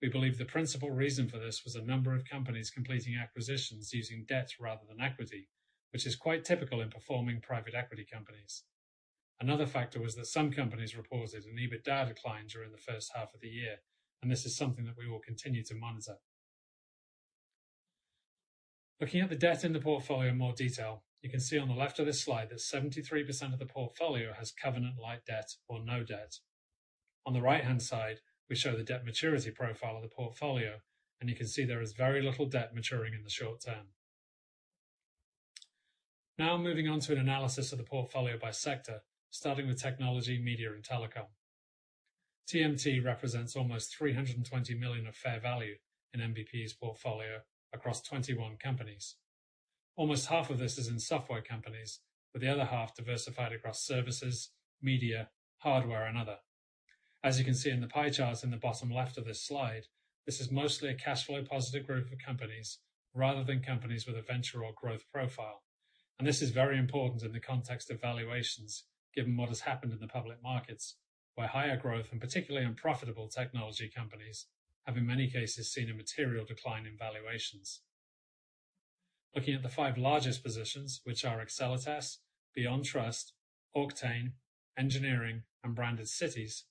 We believe the principal reason for this was a number of companies completing acquisitions using debt rather than equity, which is quite typical in performing private equity companies. Another factor was that some companies reported an EBITDA decline during the first half of the year, and this is something that we will continue to monitor. Looking at the debt in the portfolio in more detail, you can see on the left of this slide that 73% of the portfolio has covenant-like debt or no debt. On the right-hand side, we show the debt maturity profile of the portfolio, and you can see there is very little debt maturing in the short term. Now, moving on to an analysis of the portfolio by sector, starting with technology, media, and telecom. TMT represents almost $320 million of fair value in NBPE's portfolio across 21 companies. Almost half of this is in software companies, with the other half diversified across services, media, hardware, and other. As you can see in the pie charts in the bottom left of this slide, this is mostly a cash flow positive group of companies rather than companies with a venture or growth profile. This is very important in the context of valuations, given what has happened in the public markets, where higher growth and particularly unprofitable technology companies have in many cases, seen a material decline in valuations. Looking at the five largest positions, which are Accelitas, BeyondTrust, Octane, Engineering Ingegneria Informatica, and Branded Cities.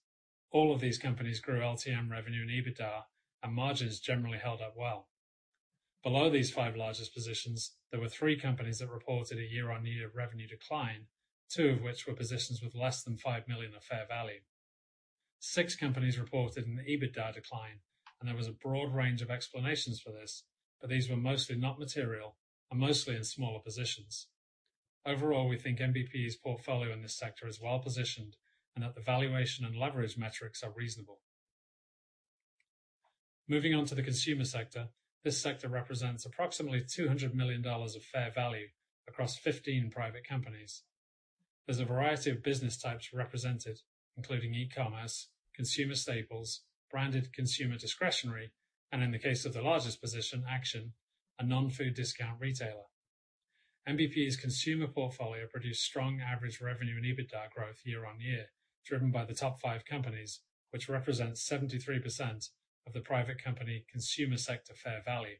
All of these companies grew LTM revenue and EBITDA, and margins generally held up well. Below these five largest positions, there were three companies that reported a year-on-year revenue decline, two of which were positions with less than $5 million of fair value. Six companies reported an EBITDA decline, and there was a broad range of explanations for this, but these were mostly not material and mostly in smaller positions. Overall, we think NBPE's portfolio in this sector is well-positioned and that the valuation and leverage metrics are reasonable. Moving on to the consumer sector. This sector represents approximately $200 million of fair value across 15 private companies. There's a variety of business types represented, including e-commerce, consumer staples, branded consumer discretionary, and in the case of the largest position, Action, a non-food discount retailer. NBPE's consumer portfolio produced strong average revenue and EBITDA growth year-on-year, driven by the top five companies, which represents 73% of the private company consumer sector fair value.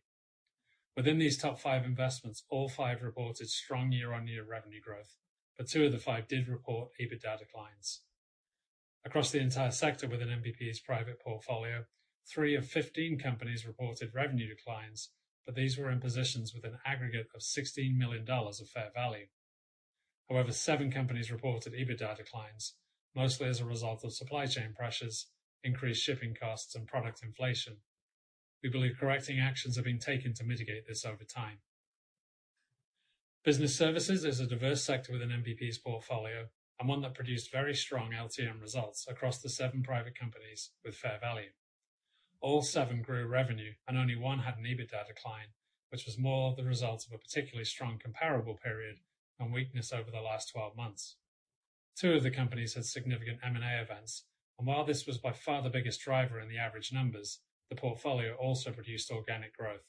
Within these top five investments, all five reported strong year-on-year revenue growth, but two of the five did report EBITDA declines. Across the entire sector within NBPE's private portfolio, three of 15 companies reported revenue declines, but these were in positions with an aggregate of $16 million of fair value. However, seven companies reported EBITDA declines, mostly as a result of supply chain pressures, increased shipping costs and product inflation. We believe corrective actions have been taken to mitigate this over time. Business services is a diverse sector within NBPE's portfolio, and one that produced very strong LTM results across the seven private companies with fair value. All seven grew revenue, and only one had an EBITDA decline, which was more of the result of a particularly strong comparable period and weakness over the last 12 months. Two of the companies had significant M&A events, and while this was by far the biggest driver in the average numbers, the portfolio also produced organic growth.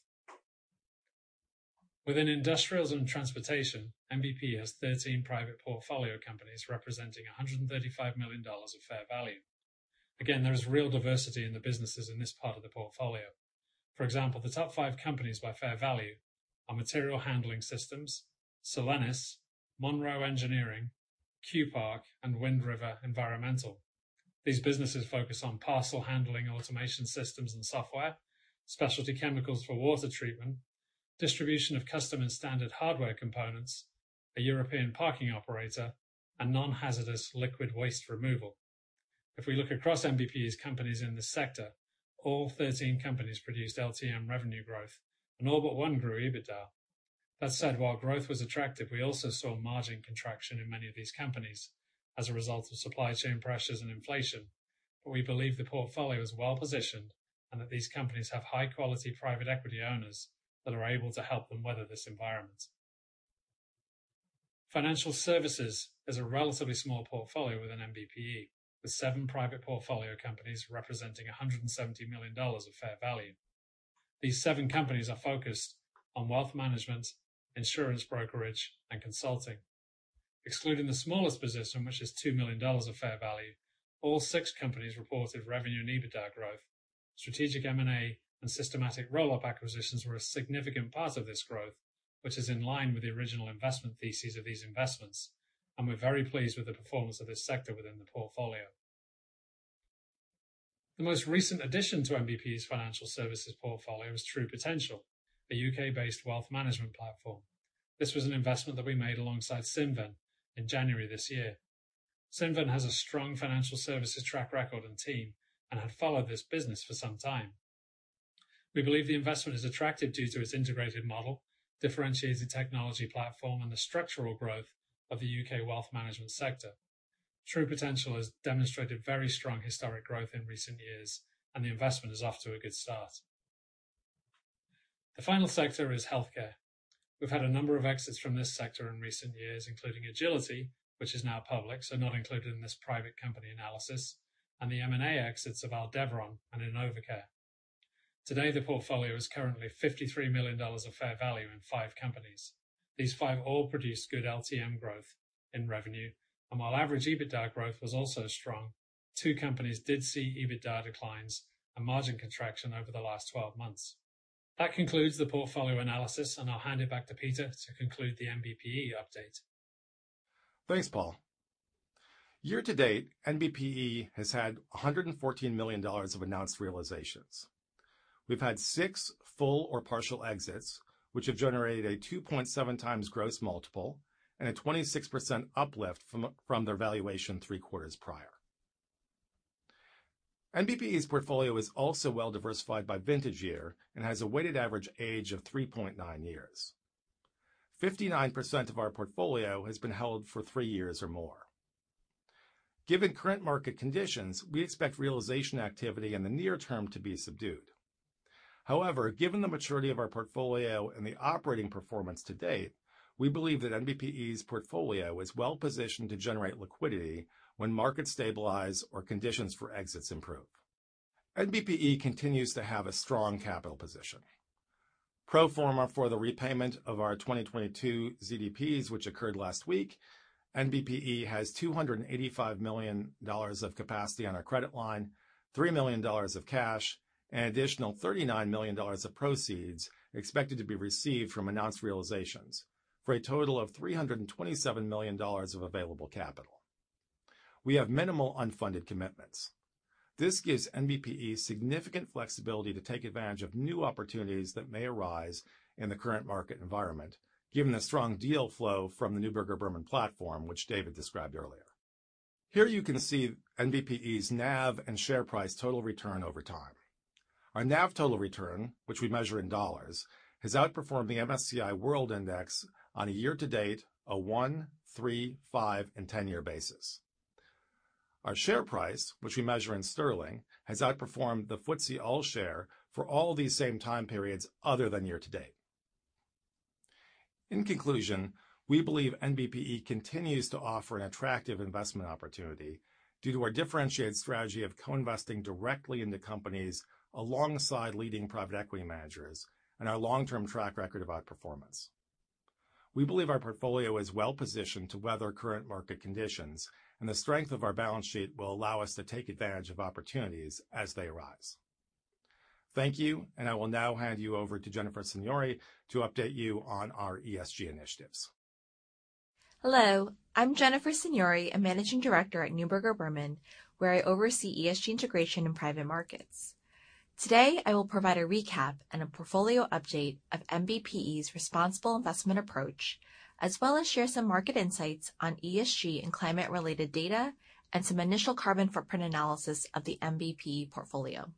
Within industrials and transportation, NBPE has 13 private portfolio companies representing $135 million of fair value. Again, there is real diversity in the businesses in this part of the portfolio. For example, the top five companies by fair value are Material Handling Systems, Solenis, Monroe Engineering, Q-Park, and Wind River Environmental. These businesses focus on parcel handling automation systems and software, specialty chemicals for water treatment, distribution of custom and standard hardware components, a European parking operator, and non-hazardous liquid waste removal. If we look across NBPE's companies in this sector, all 13 companies produced LTM revenue growth, and all but one grew EBITDA. That said, while growth was attractive, we also saw margin contraction in many of these companies as a result of supply chain pressures and inflation. We believe the portfolio is well-positioned, and that these companies have high-quality private equity owners that are able to help them weather this environment. Financial services is a relatively small portfolio within NBPE, with seven private portfolio companies representing $170 million of fair value. These seven companies are focused on wealth management, insurance brokerage, and consulting. Excluding the smallest position, which is $2 million of fair value, all six companies reported revenue and EBITDA growth. Strategic M&A and systematic roll-up acquisitions were a significant part of this growth, which is in line with the original investment thesis of these investments, and we're very pleased with the performance of this sector within the portfolio. The most recent addition to NBPE's financial services portfolio is True Potential, a U.K.-based wealth management platform. This was an investment that we made alongside Cinven in January this year. Cinven has a strong financial services track record and team, and had followed this business for some time. We believe the investment is attractive due to its integrated model, differentiated technology platform, and the structural growth of the U.K. wealth management sector. True Potential has demonstrated very strong historic growth in recent years, and the investment is off to a good start. The final sector is healthcare. We've had a number of exits from this sector in recent years, including Agiliti, which is now public, so not included in this private company analysis, and the M&A exits of Aldevron and Inovalon. Today, the portfolio is currently $53 million of fair value in five companies. These five all produce good LTM growth in revenue, and while average EBITDA growth was also strong, two companies did see EBITDA declines and margin contraction over the last 12 months. That concludes the portfolio analysis, and I'll hand it back to Peter to conclude the NBPE update. Thanks, Paul. Year to date, NBPE has had $114 million of announced realizations. We've had six full or partial exits, which have generated a 2.7x gross multiple and a 26% uplift from their valuation three quarters prior. NBPE's portfolio is also well diversified by vintage year and has a weighted average age of 3.9 years. 59% of our portfolio has been held for three years or more. Given current market conditions, we expect realization activity in the near term to be subdued. However, given the maturity of our portfolio and the operating performance to date, we believe that NBPE's portfolio is well-positioned to generate liquidity when markets stabilize or conditions for exits improve. NBPE continues to have a strong capital position. Pro forma for the repayment of our 2022 ZDPs, which occurred last week, NBPE has $285 million of capacity on our credit line, $3 million of cash, and additional $39 million of proceeds expected to be received from announced realizations, for a total of $327 million of available capital. We have minimal unfunded commitments. This gives NBPE significant flexibility to take advantage of new opportunities that may arise in the current market environment, given the strong deal flow from the Neuberger Berman platform, which David described earlier. Here you can see NBPE's NAV and share price total return over time. Our NAV total return, which we measure in dollars, has outperformed the MSCI World Index on a year-to-date, a one, three, five, and 10-year basis. Our share price, which we measure in sterling, has outperformed the FTSE All-Share for all these same time periods other than year to date. In conclusion, we believe NBPE continues to offer an attractive investment opportunity due to our differentiated strategy of co-investing directly in the companies alongside leading private equity managers and our long-term track record of outperformance. We believe our portfolio is well-positioned to weather current market conditions, and the strength of our balance sheet will allow us to take advantage of opportunities as they arise. Thank you, and I will now hand you over to Jennifer Signori to update you on our ESG initiatives. Hello, I'm Jennifer Signori, a managing director at Neuberger Berman, where I oversee ESG integration in private markets. Today, I will provide a recap and a portfolio update of NBPE's responsible investment approach, as well as share some market insights on ESG and climate-related data and some initial carbon footprint analysis of the NBPE portfolio.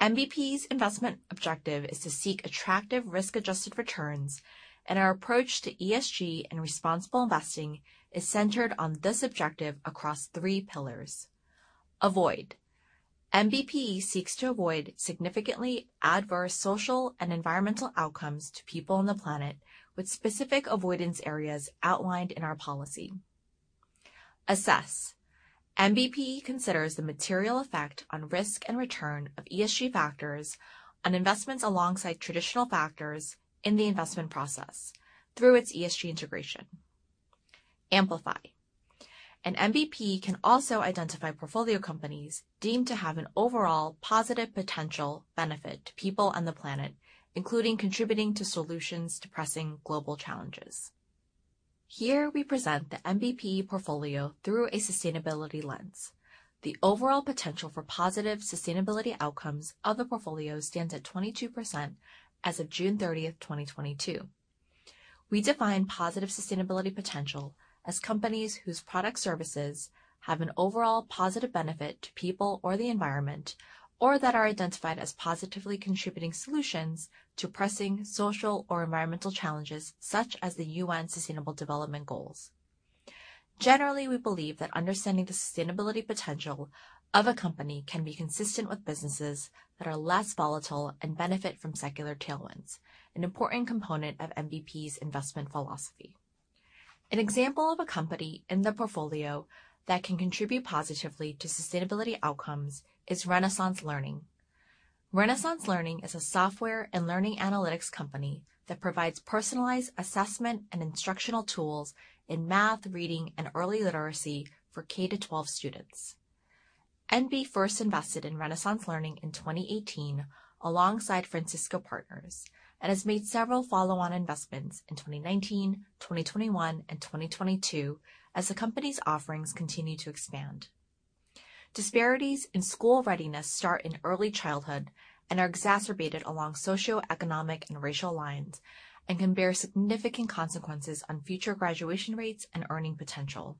NBPE's investment objective is to seek attractive risk-adjusted returns, and our approach to ESG and responsible investing is centered on this objective across three pillars. Avoid. NBPE seeks to avoid significantly adverse social and environmental outcomes to people on the planet with specific avoidance areas outlined in our policy. Assess. NBPE considers the material effect on risk and return of ESG factors on investments alongside traditional factors in the investment process through its ESG integration. Amplify. NBPE can also identify portfolio companies deemed to have an overall positive potential benefit to people on the planet, including contributing to solutions to pressing global challenges. Here, we present the NBPE portfolio through a sustainability lens. The overall potential for positive sustainability outcomes of the portfolio stands at 22% as of June 30th, 2022. We define positive sustainability potential as companies whose product services have an overall positive benefit to people or the environment or that are identified as positively contributing solutions to pressing social or environmental challenges, such as the UN Sustainable Development Goals. Generally, we believe that understanding the sustainability potential of a company can be consistent with businesses that are less volatile and benefit from secular tailwinds, an important component of NBPE's investment philosophy. An example of a company in the portfolio that can contribute positively to sustainability outcomes is Renaissance Learning. Renaissance Learning is a software and learning analytics company that provides personalized assessment and instructional tools in math, reading, and early literacy for K-12 students. NB first invested in Renaissance Learning in 2018 alongside Francisco Partners and has made several follow-on investments in 2019, 2021, and 2022 as the company's offerings continue to expand. Disparities in school readiness start in early childhood and are exacerbated along socioeconomic and racial lines and can bear significant consequences on future graduation rates and earning potential.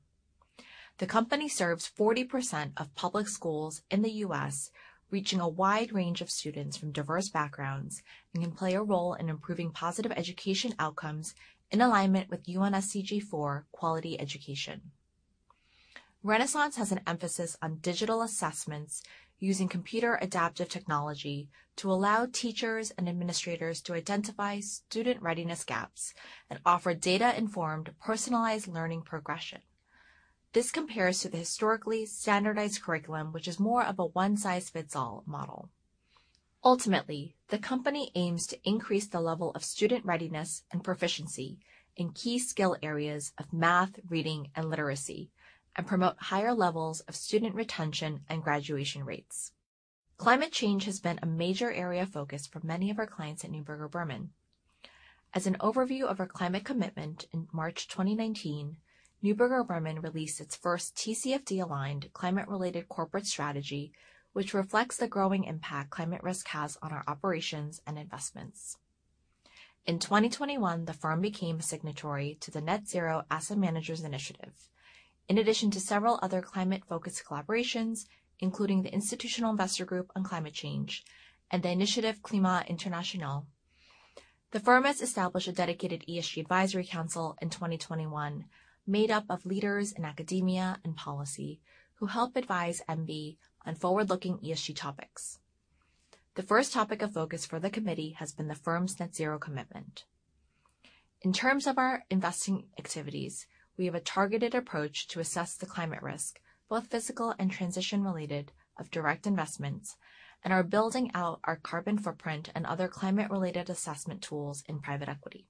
The company serves 40% of public schools in the U.S., reaching a wide range of students from diverse backgrounds and can play a role in improving positive education outcomes in alignment with UN SDG 4, quality education. Renaissance has an emphasis on digital assessments using computer adaptive technology to allow teachers and administrators to identify student readiness gaps and offer data-informed personalized learning progression. This compares to the historically standardized curriculum, which is more of a one-size-fits-all model. Ultimately, the company aims to increase the level of student readiness and proficiency in key skill areas of math, reading, and literacy, and promote higher levels of student retention and graduation rates. Climate change has been a major area of focus for many of our clients at Neuberger Berman. As an overview of our climate commitment in March 2019, Neuberger Berman released its first TCFD-aligned climate-related corporate strategy, which reflects the growing impact climate risk has on our operations and investments. In 2021, the firm became a signatory to the Net Zero Asset Managers Initiative. In addition to several other climate-focused collaborations, including the Institutional Investors Group on Climate Change and the Initiative Climat International. The firm has established a dedicated ESG advisory council in 2021 made up of leaders in academia and policy who help advise NB on forward-looking ESG topics. The first topic of focus for the committee has been the firm's net zero commitment. In terms of our investing activities, we have a targeted approach to assess the climate risk, both physical and transition-related, of direct investments, and are building out our carbon footprint and other climate-related assessment tools in private equity.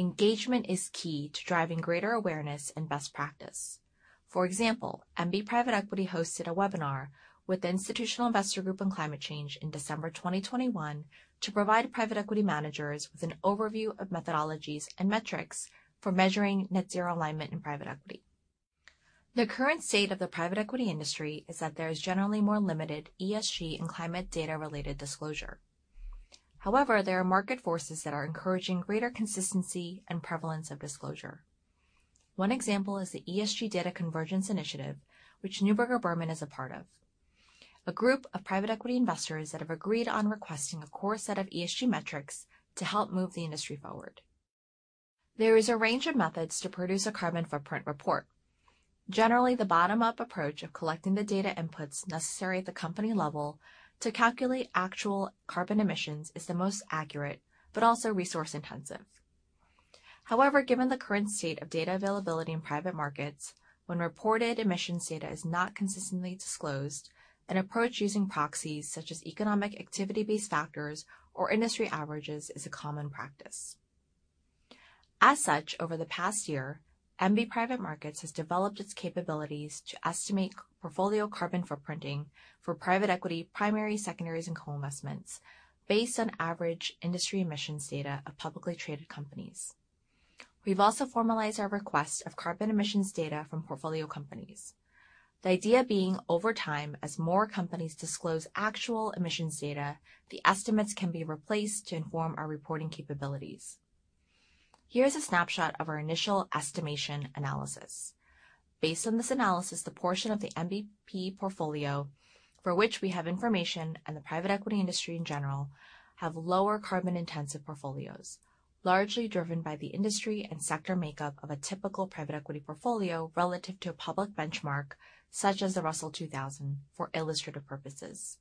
Engagement is key to driving greater awareness and best practice. For example, NB Private Equity Partners hosted a webinar with the Institutional Investors Group on Climate Change in December 2021 to provide private equity managers with an overview of methodologies and metrics for measuring net zero alignment in private equity. The current state of the private equity industry is that there is generally more limited ESG and climate data-related disclosure. However, there are market forces that are encouraging greater consistency and prevalence of disclosure. One example is the ESG Data Convergence Initiative, which Neuberger Berman is a part of, a group of private equity investors that have agreed on requesting a core set of ESG metrics to help move the industry forward. There is a range of methods to produce a carbon footprint report. Generally, the bottom-up approach of collecting the data inputs necessary at the company level to calculate actual carbon emissions is the most accurate, but also resource-intensive. However, given the current state of data availability in private markets, when reported emissions data is not consistently disclosed, an approach using proxies such as economic activity-based factors or industry averages is a common practice. As such, over the past year, NB Private Markets has developed its capabilities to estimate portfolio carbon footprinting for private equity, primaries, secondaries, and co-investments based on average industry emissions data of publicly traded companies. We've also formalized our request of carbon emissions data from portfolio companies. The idea being over time, as more companies disclose actual emissions data, the estimates can be replaced to inform our reporting capabilities. Here's a snapshot of our initial estimation analysis. Based on this analysis, the portion of the NBPE portfolio for which we have information and the private equity industry in general have lower carbon-intensive portfolios, largely driven by the industry and sector makeup of a typical private equity portfolio relative to a public benchmark such as the Russell 2000 for illustrative purposes.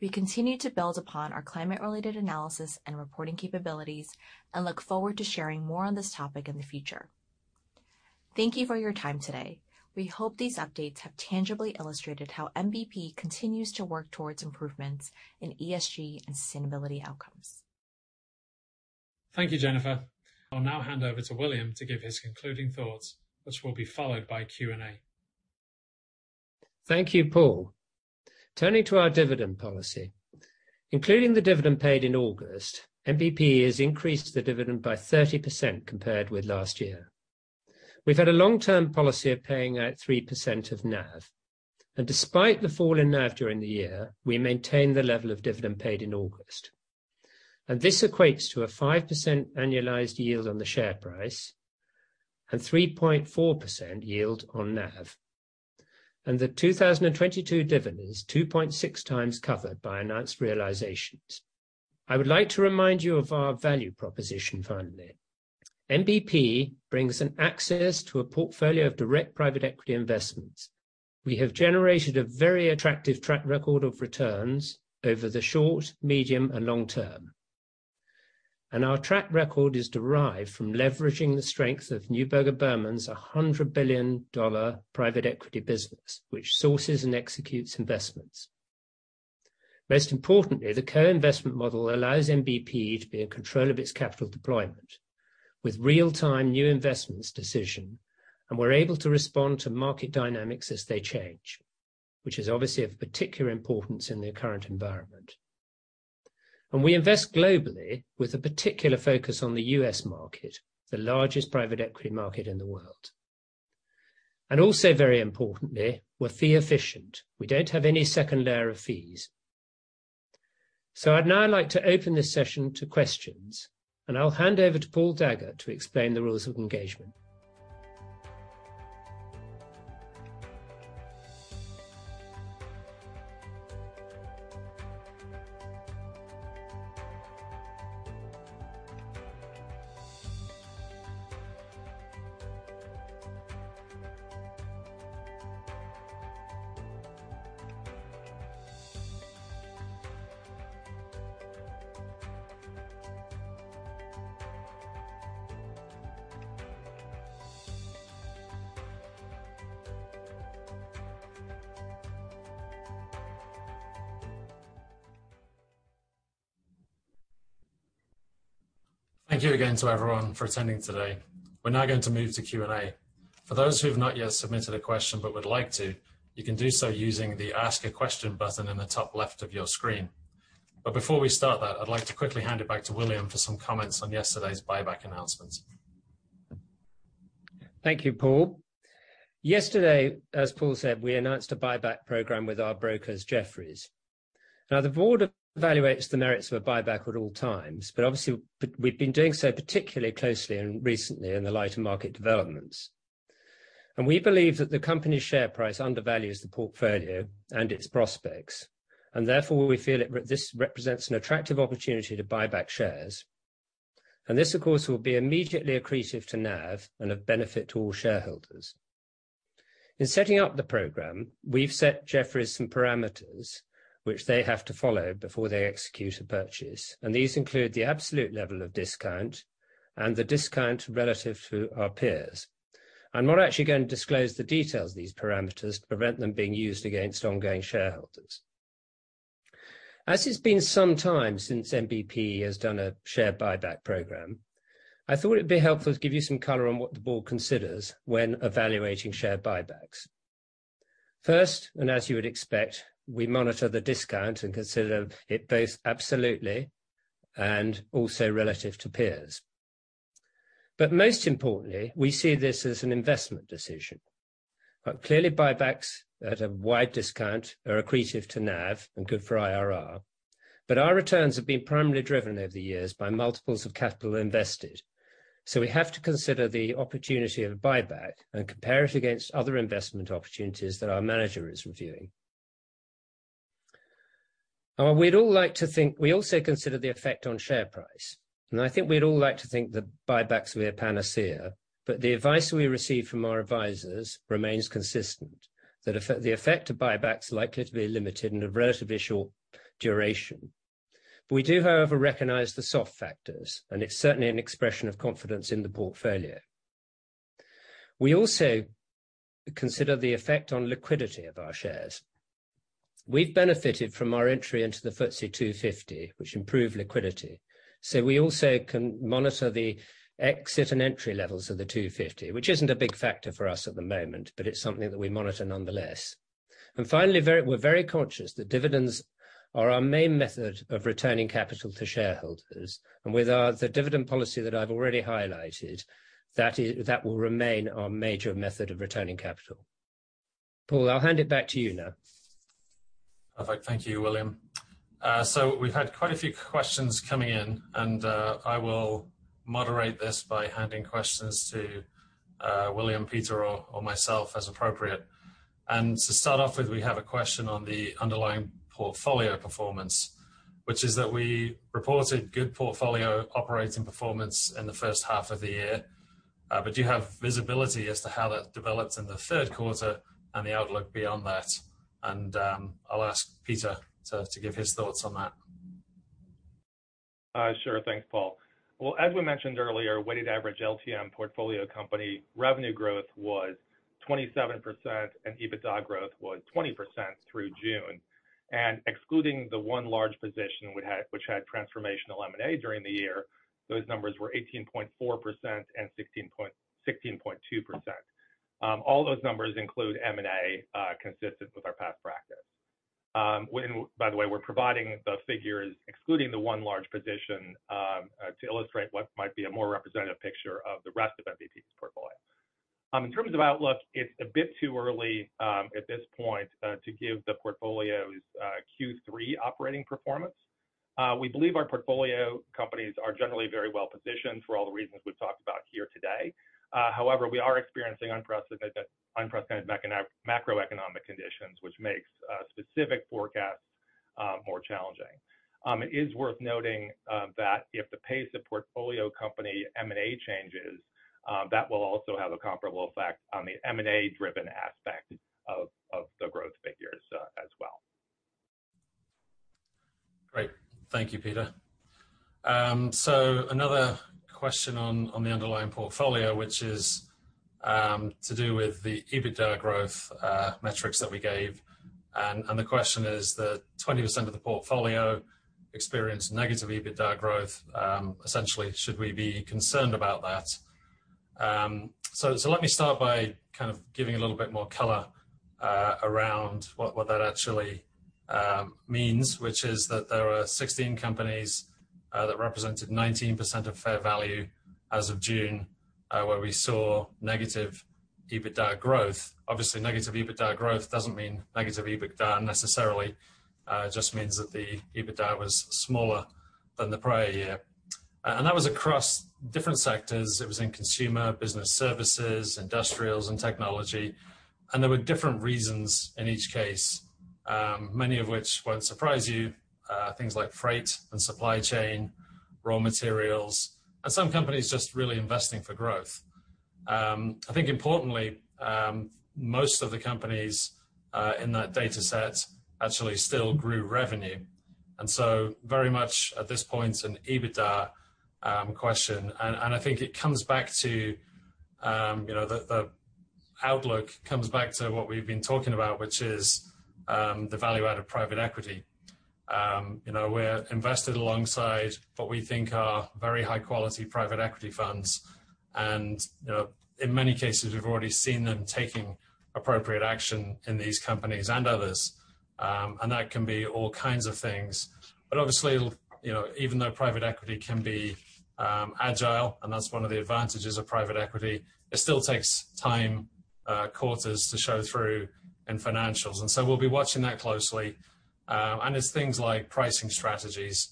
We continue to build upon our climate-related analysis and reporting capabilities and look forward to sharing more on this topic in the future. Thank you for your time today. We hope these updates have tangibly illustrated how NBPE continues to work towards improvements in ESG and sustainability outcomes. Thank you, Jennifer. I'll now hand over to William to give his concluding thoughts, which will be followed by Q&A. Thank you, Paul. Turning to our dividend policy. Including the dividend paid in August, NBPE has increased the dividend by 30% compared with last year. We've had a long-term policy of paying out 3% of NAV, and despite the fall in NAV during the year, we maintained the level of dividend paid in August. This equates to a 5% annualized yield on the share price and 3.4% yield on NAV. The 2022 dividend is 2.6x covered by announced realizations. I would like to remind you of our value proposition finally. NBPE brings an access to a portfolio of direct private equity investments. We have generated a very attractive track record of returns over the short, medium, and long term. Our track record is derived from leveraging the strength of Neuberger Berman's $100 billion private equity business, which sources and executes investments. Most importantly, the co-investment model allows NBPE to be in control of its capital deployment with real-time new investments decision, and we're able to respond to market dynamics as they change, which is obviously of particular importance in the current environment. We invest globally with a particular focus on the U.S. market, the largest private equity market in the world. Also very importantly, we're fee efficient. We don't have any second layer of fees. I'd now like to open this session to questions, and I'll hand over to Paul Daggett to explain the rules of engagement. Thank you again to everyone for attending today. We're now going to move to Q&A. For those who have not yet submitted a question but would like to, you can do so using the Ask a Question button in the top left of your screen. Before we start that, I'd like to quickly hand it back to William for some comments on yesterday's buyback announcement. Thank you, Paul. Yesterday, as Paul said, we announced a buyback program with our brokers, Jefferies. Now, the board evaluates the merits of a buyback at all times, but obviously, we've been doing so particularly closely and recently in the light of market developments. We believe that the company's share price undervalues the portfolio and its prospects, and therefore, we feel this represents an attractive opportunity to buy back shares. This, of course, will be immediately accretive to NAV and of benefit to all shareholders. In setting up the program, we've set Jefferies some parameters which they have to follow before they execute a purchase, and these include the absolute level of discount and the discount relative to our peers. We're not actually going to disclose the details of these parameters to prevent them being used against ongoing shareholders. As it's been some time since NBPE has done a share buyback program, I thought it'd be helpful to give you some color on what the board considers when evaluating share buybacks. First, and as you would expect, we monitor the discount and consider it both absolutely and also relative to peers. Most importantly, we see this as an investment decision. Clearly, buybacks at a wide discount are accretive to NAV and good for IRR. Our returns have been primarily driven over the years by multiples of capital invested. We have to consider the opportunity of a buyback and compare it against other investment opportunities that our manager is reviewing. We also consider the effect on share price, and I think we'd all like to think that buybacks were a panacea. The advice we receive from our advisors remains consistent, that the effect of buybacks are likely to be limited and of relatively short duration. We do, however, recognize the soft factors, and it's certainly an expression of confidence in the portfolio. We also consider the effect on liquidity of our shares. We've benefited from our entry into the FTSE 250, which improved liquidity. We also can monitor the exit and entry levels of the 250, which isn't a big factor for us at the moment, but it's something that we monitor nonetheless. Finally, we're very conscious that dividends are our main method of returning capital to shareholders. With the dividend policy that I've already highlighted, that will remain our major method of returning capital. Paul, I'll hand it back to you now. Perfect. Thank you, William. So we've had quite a few questions coming in, and I will moderate this by handing questions to William, Peter, or myself as appropriate. To start off with, we have a question on the underlying portfolio performance, which is that we reported good portfolio operating performance in the first half of the year. But do you have visibility as to how that develops in the third quarter and the outlook beyond that? I'll ask Peter to give his thoughts on that. Sure. Thanks, Paul. Well, as we mentioned earlier, weighted average LTM portfolio company revenue growth was 27%, and EBITDA growth was 20% through June. Excluding the one large position we had, which had transformational M&A during the year, those numbers were 18.4% and 16.2%. All those numbers include M&A, consistent with our past practice. By the way, we're providing the figures excluding the one large position to illustrate what might be a more representative picture of the rest of NBPE's portfolio. In terms of outlook, it's a bit too early at this point to give the portfolio's Q3 operating performance. We believe our portfolio companies are generally very well-positioned for all the reasons we've talked about here today. However, we are experiencing unprecedented macroeconomic conditions, which makes specific forecasts more challenging. It is worth noting that if the pace of portfolio company M&A changes, that will also have a comparable effect on the M&A-driven aspect of the growth figures, as well. Great. Thank you, Peter. Another question on the underlying portfolio, which is to do with the EBITDA growth metrics that we gave. The question is that 20% of the portfolio experienced negative EBITDA growth. Essentially, should we be concerned about that? Let me start by kind of giving a little bit more color around what that actually means, which is that there are 16 companies that represented 19% of fair value as of June where we saw negative EBITDA growth. Obviously, negative EBITDA growth doesn't mean negative EBITDA necessarily. It just means that the EBITDA was smaller than the prior year. And that was across different sectors. It was in consumer, business services, industrials, and technology. There were different reasons in each case, many of which won't surprise you, things like freight and supply chain, raw materials, and some companies just really investing for growth. I think importantly, most of the companies in that data set actually still grew revenue, and so very much at this point an EBITDA question. I think it comes back to, you know, the outlook comes back to what we've been talking about, which is the value-added private equity. You know, we're invested alongside what we think are very high-quality private equity funds. You know, in many cases, we've already seen them taking appropriate action in these companies and others. That can be all kinds of things. Obviously, you know, even though private equity can be agile, and that's one of the advantages of private equity, it still takes time, quarters, to show through in financials. We'll be watching that closely. It's things like pricing strategies.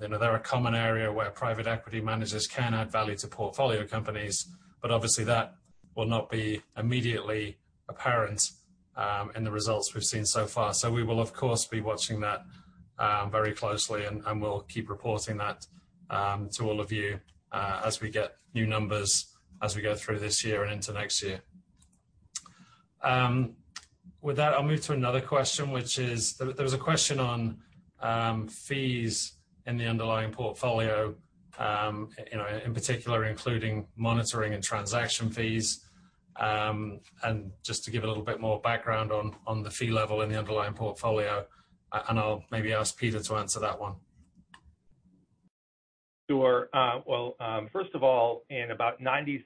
You know, they're a common area where private equity managers can add value to portfolio companies, but obviously that will not be immediately apparent in the results we've seen so far. We will, of course, be watching that very closely, and we'll keep reporting that to all of you as we get new numbers as we go through this year and into next year. With that, I'll move to another question, which is, there was a question on fees in the underlying portfolio, you know, in particular including monitoring and transaction fees. Just to give a little bit more background on the fee level in the underlying portfolio, and I'll maybe ask Peter to answer that one. Sure. Well, first of all, in about 97%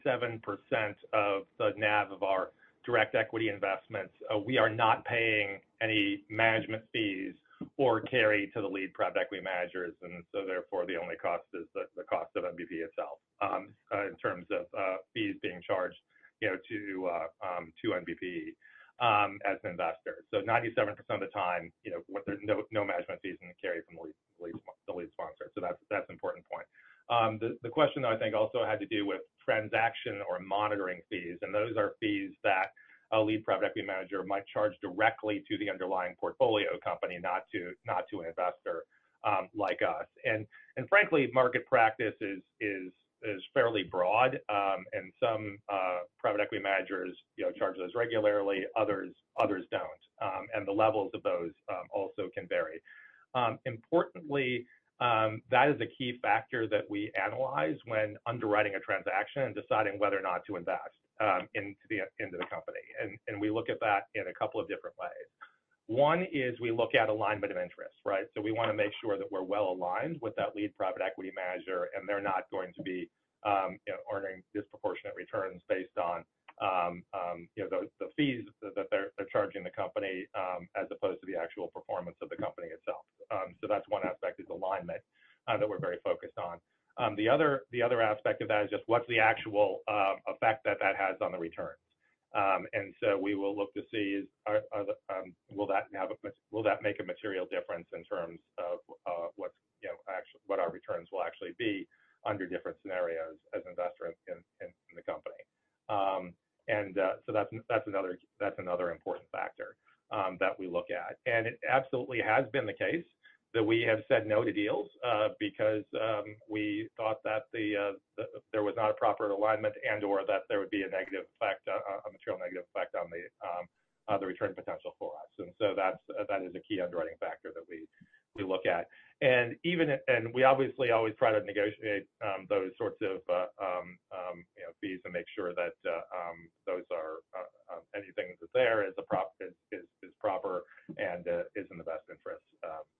of the NAV of our direct equity investments, we are not paying any management fees or carry to the lead private equity managers. Therefore, the only cost is the cost of NBPE itself, in terms of fees being charged, you know, to NBPE, as an investor. 97% of the time, you know, with no management fees and the carry from the lead sponsor. That's an important point. The question I think also had to do with transaction or monitoring fees, and those are fees that a lead private equity manager might charge directly to the underlying portfolio company, not to an investor like us. Frankly, market practice is fairly broad. Some private equity managers, you know, charge those regularly, others don't. The levels of those also can vary. Importantly, that is a key factor that we analyze when underwriting a transaction and deciding whether or not to invest into the company. We look at that in a couple of different ways. One is we look at alignment of interest, right? We wanna make sure that we're well aligned with that lead private equity manager, and they're not going to be, you know, earning disproportionate returns based on, you know, the fees that they're charging the company, as opposed to the actual performance of the company itself. That's one aspect is alignment that we're very focused on. The other aspect of that is just what's the actual effect that that has on the returns. We will look to see if that will make a material difference in terms of what's, you know, actually what our returns will actually be under different scenarios as investors in the company. That's another important factor that we look at. It absolutely has been the case that we have said no to deals because we thought that there was not a proper alignment and/or that there would be a negative effect, a material negative effect on the return potential for us. That's a key underwriting factor that we look at. We obviously always try to negotiate those sorts of, you know, fees and make sure that those are anything that's there is proper and is in the best interest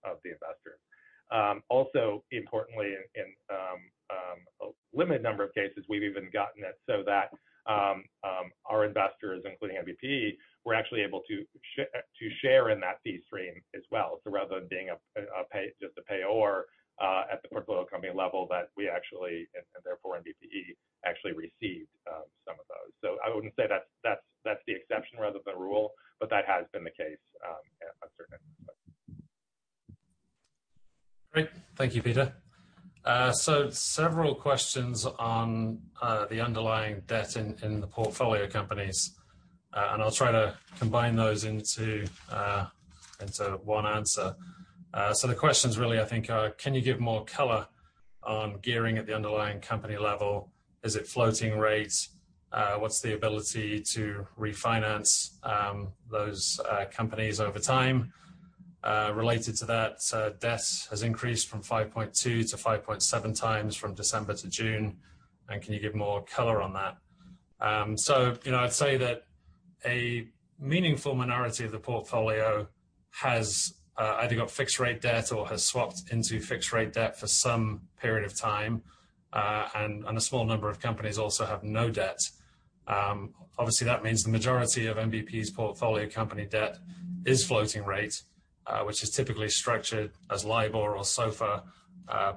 of the investor. Also importantly in a limited number of cases, we've even gotten it so that our investors, including NBPE, were actually able to share in that fee stream as well. Rather than being just a payor at the portfolio company level, that we actually and therefore NBPE actually received some of those. I wouldn't say that's the exception rather than the rule, but that has been the case in a certain number of cases. Great. Thank you, Peter. So several questions on the underlying debt in the portfolio companies, and I'll try to combine those into one answer. So the questions really, I think are, can you give more color on gearing at the underlying company level? Is it floating rates? What's the ability to refinance those companies over time? Related to that, debt has increased from 5.2x-5.7x from December to June. Can you give more color on that? So, you know, I'd say that a meaningful minority of the portfolio has either got fixed rate debt or has swapped into fixed rate debt for some period of time. And a small number of companies also have no debt. Obviously that means the majority of NBPE's portfolio company debt is floating rate, which is typically structured as LIBOR or SOFR,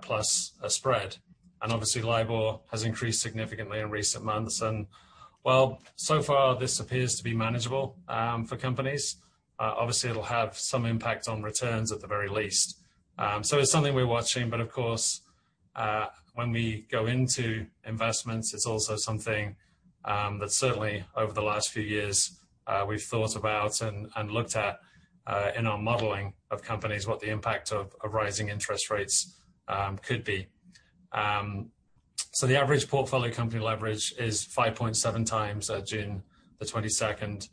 plus a spread. Obviously, LIBOR has increased significantly in recent months. While so far this appears to be manageable for companies, obviously it'll have some impact on returns at the very least. It's something we're watching, but of course, when we go into investments, it's also something that certainly over the last few years, we've thought about and looked at in our modeling of companies, what the impact of rising interest rates could be. The average portfolio company leverage is 5.7x at June 22nd.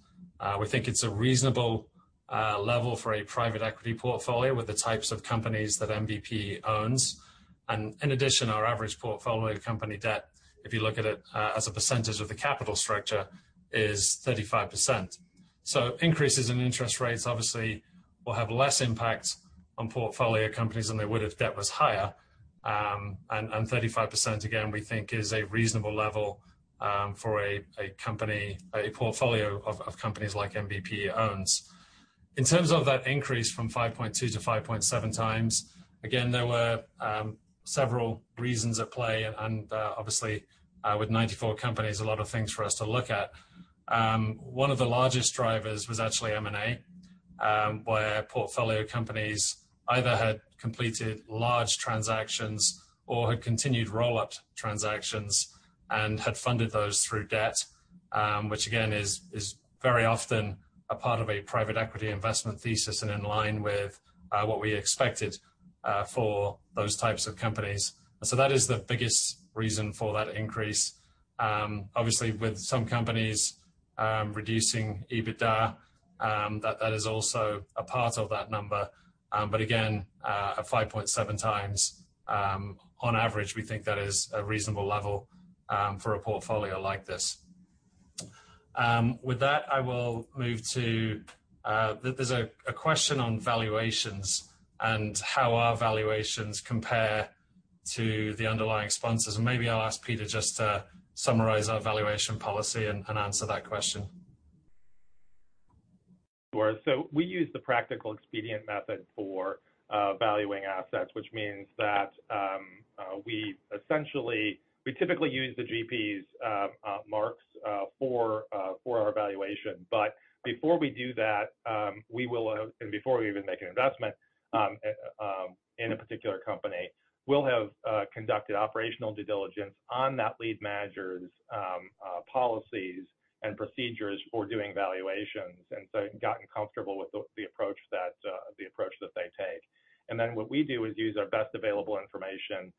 We think it's a reasonable level for a private equity portfolio with the types of companies that NBPE owns. In addition, our average portfolio company debt, if you look at it, as a percentage of the capital structure, is 35%. Increases in interest rates obviously will have less impact on portfolio companies than they would if debt was higher. 35%, again, we think is a reasonable level, for a portfolio of companies like NBPE owns. In terms of that increase from 5.2x-5.7x, again, there were several reasons at play, and obviously, with 94 companies, a lot of things for us to look at. One of the largest drivers was actually M&A, where portfolio companies either had completed large transactions or had continued roll-up transactions and had funded those through debt, which again is very often a part of a private equity investment thesis and in line with what we expected for those types of companies. That is the biggest reason for that increase. Obviously, with some companies reducing EBITDA, that is also a part of that number. But again, at 5.7x, on average, we think that is a reasonable level for a portfolio like this. With that, I will move to there's a question on valuations and how our valuations compare to the underlying sponsors. Maybe I'll ask Peter just to summarize our valuation policy and answer that question. Sure. We use the practical expedient method for valuing assets, which means that we typically use the GP's marks for our valuation. Before we do that, before we even make an investment in a particular company, we'll have conducted operational due diligence on that lead manager's policies and procedures for doing valuations, and so gotten comfortable with the approach that they take. What we do is use our best available information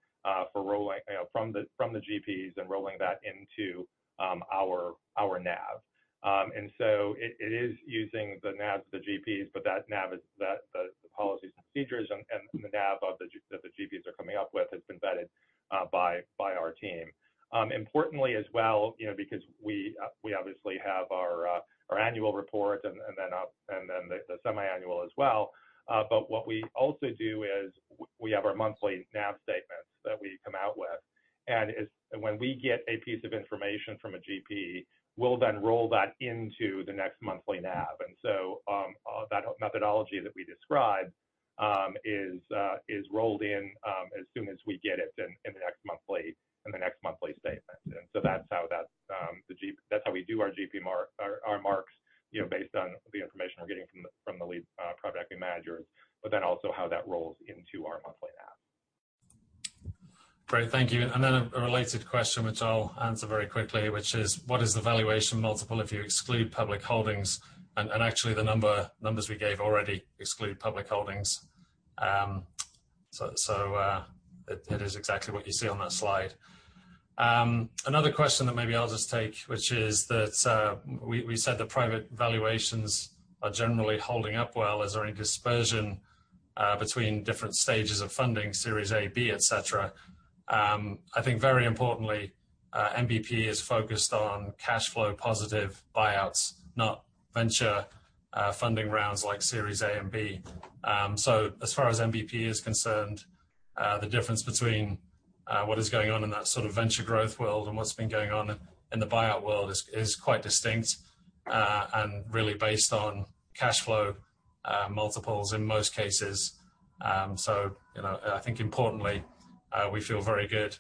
for rolling, you know, from the GPs and rolling that into our NAV. It is using the NAVs the GPs, but that NAV is the policies and procedures and the NAV of the GPs that the GPs are coming up with has been vetted by our team. Importantly as well, you know, because we obviously have our annual report and then the semiannual as well. What we also do is we have our monthly NAV statements that we come out with. When we get a piece of information from a GP, we'll then roll that into the next monthly NAV. That methodology that we described is rolled in as soon as we get it in the next monthly statement. That's how we do our GP marks, you know, based on the information we're getting from the lead private equity managers, but then also how that rolls into our monthly NAV. Great. Thank you. A related question, which I'll answer very quickly, which is: What is the valuation multiple if you exclude public holdings? Actually, the numbers we gave already exclude public holdings. It is exactly what you see on that slide. Another question that maybe I'll just take, which is that we said the private valuations are generally holding up well. Is there any dispersion between different stages of funding, series A, B, et cetera? I think very importantly, NBPE is focused on cash flow positive buyouts, not venture funding rounds like series A and B. As far as NBPE is concerned, the difference between what is going on in that sort of venture growth world and what's been going on in the buyout world is quite distinct and really based on cash flow multiples in most cases. You know, I think importantly, we feel very good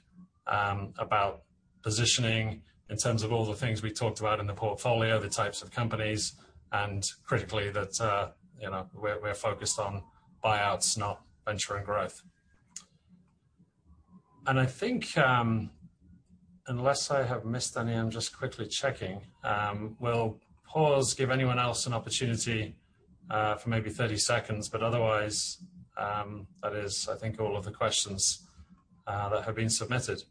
about positioning in terms of all the things we talked about in the portfolio, the types of companies, and critically, that you know, we're focused on buyouts, not venture and growth. I think, unless I have missed any, I'm just quickly checking. We'll pause, give anyone else an opportunity for maybe 30 seconds, but otherwise, that is I think all of the questions that have been submitted.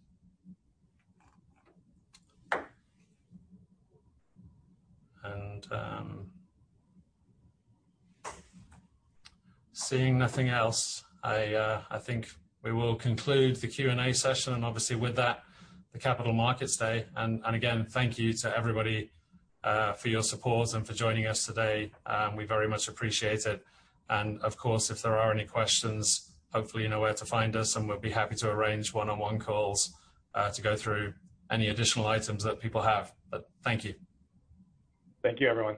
Seeing nothing else, I think we will conclude the Q&A session, and obviously with that, the Capital Markets Day. Again, thank you to everybody for your support and for joining us today. We very much appreciate it. Of course, if there are any questions, hopefully you know where to find us, and we'll be happy to arrange one-on-one calls to go through any additional items that people have. Thank you. Thank you, everyone.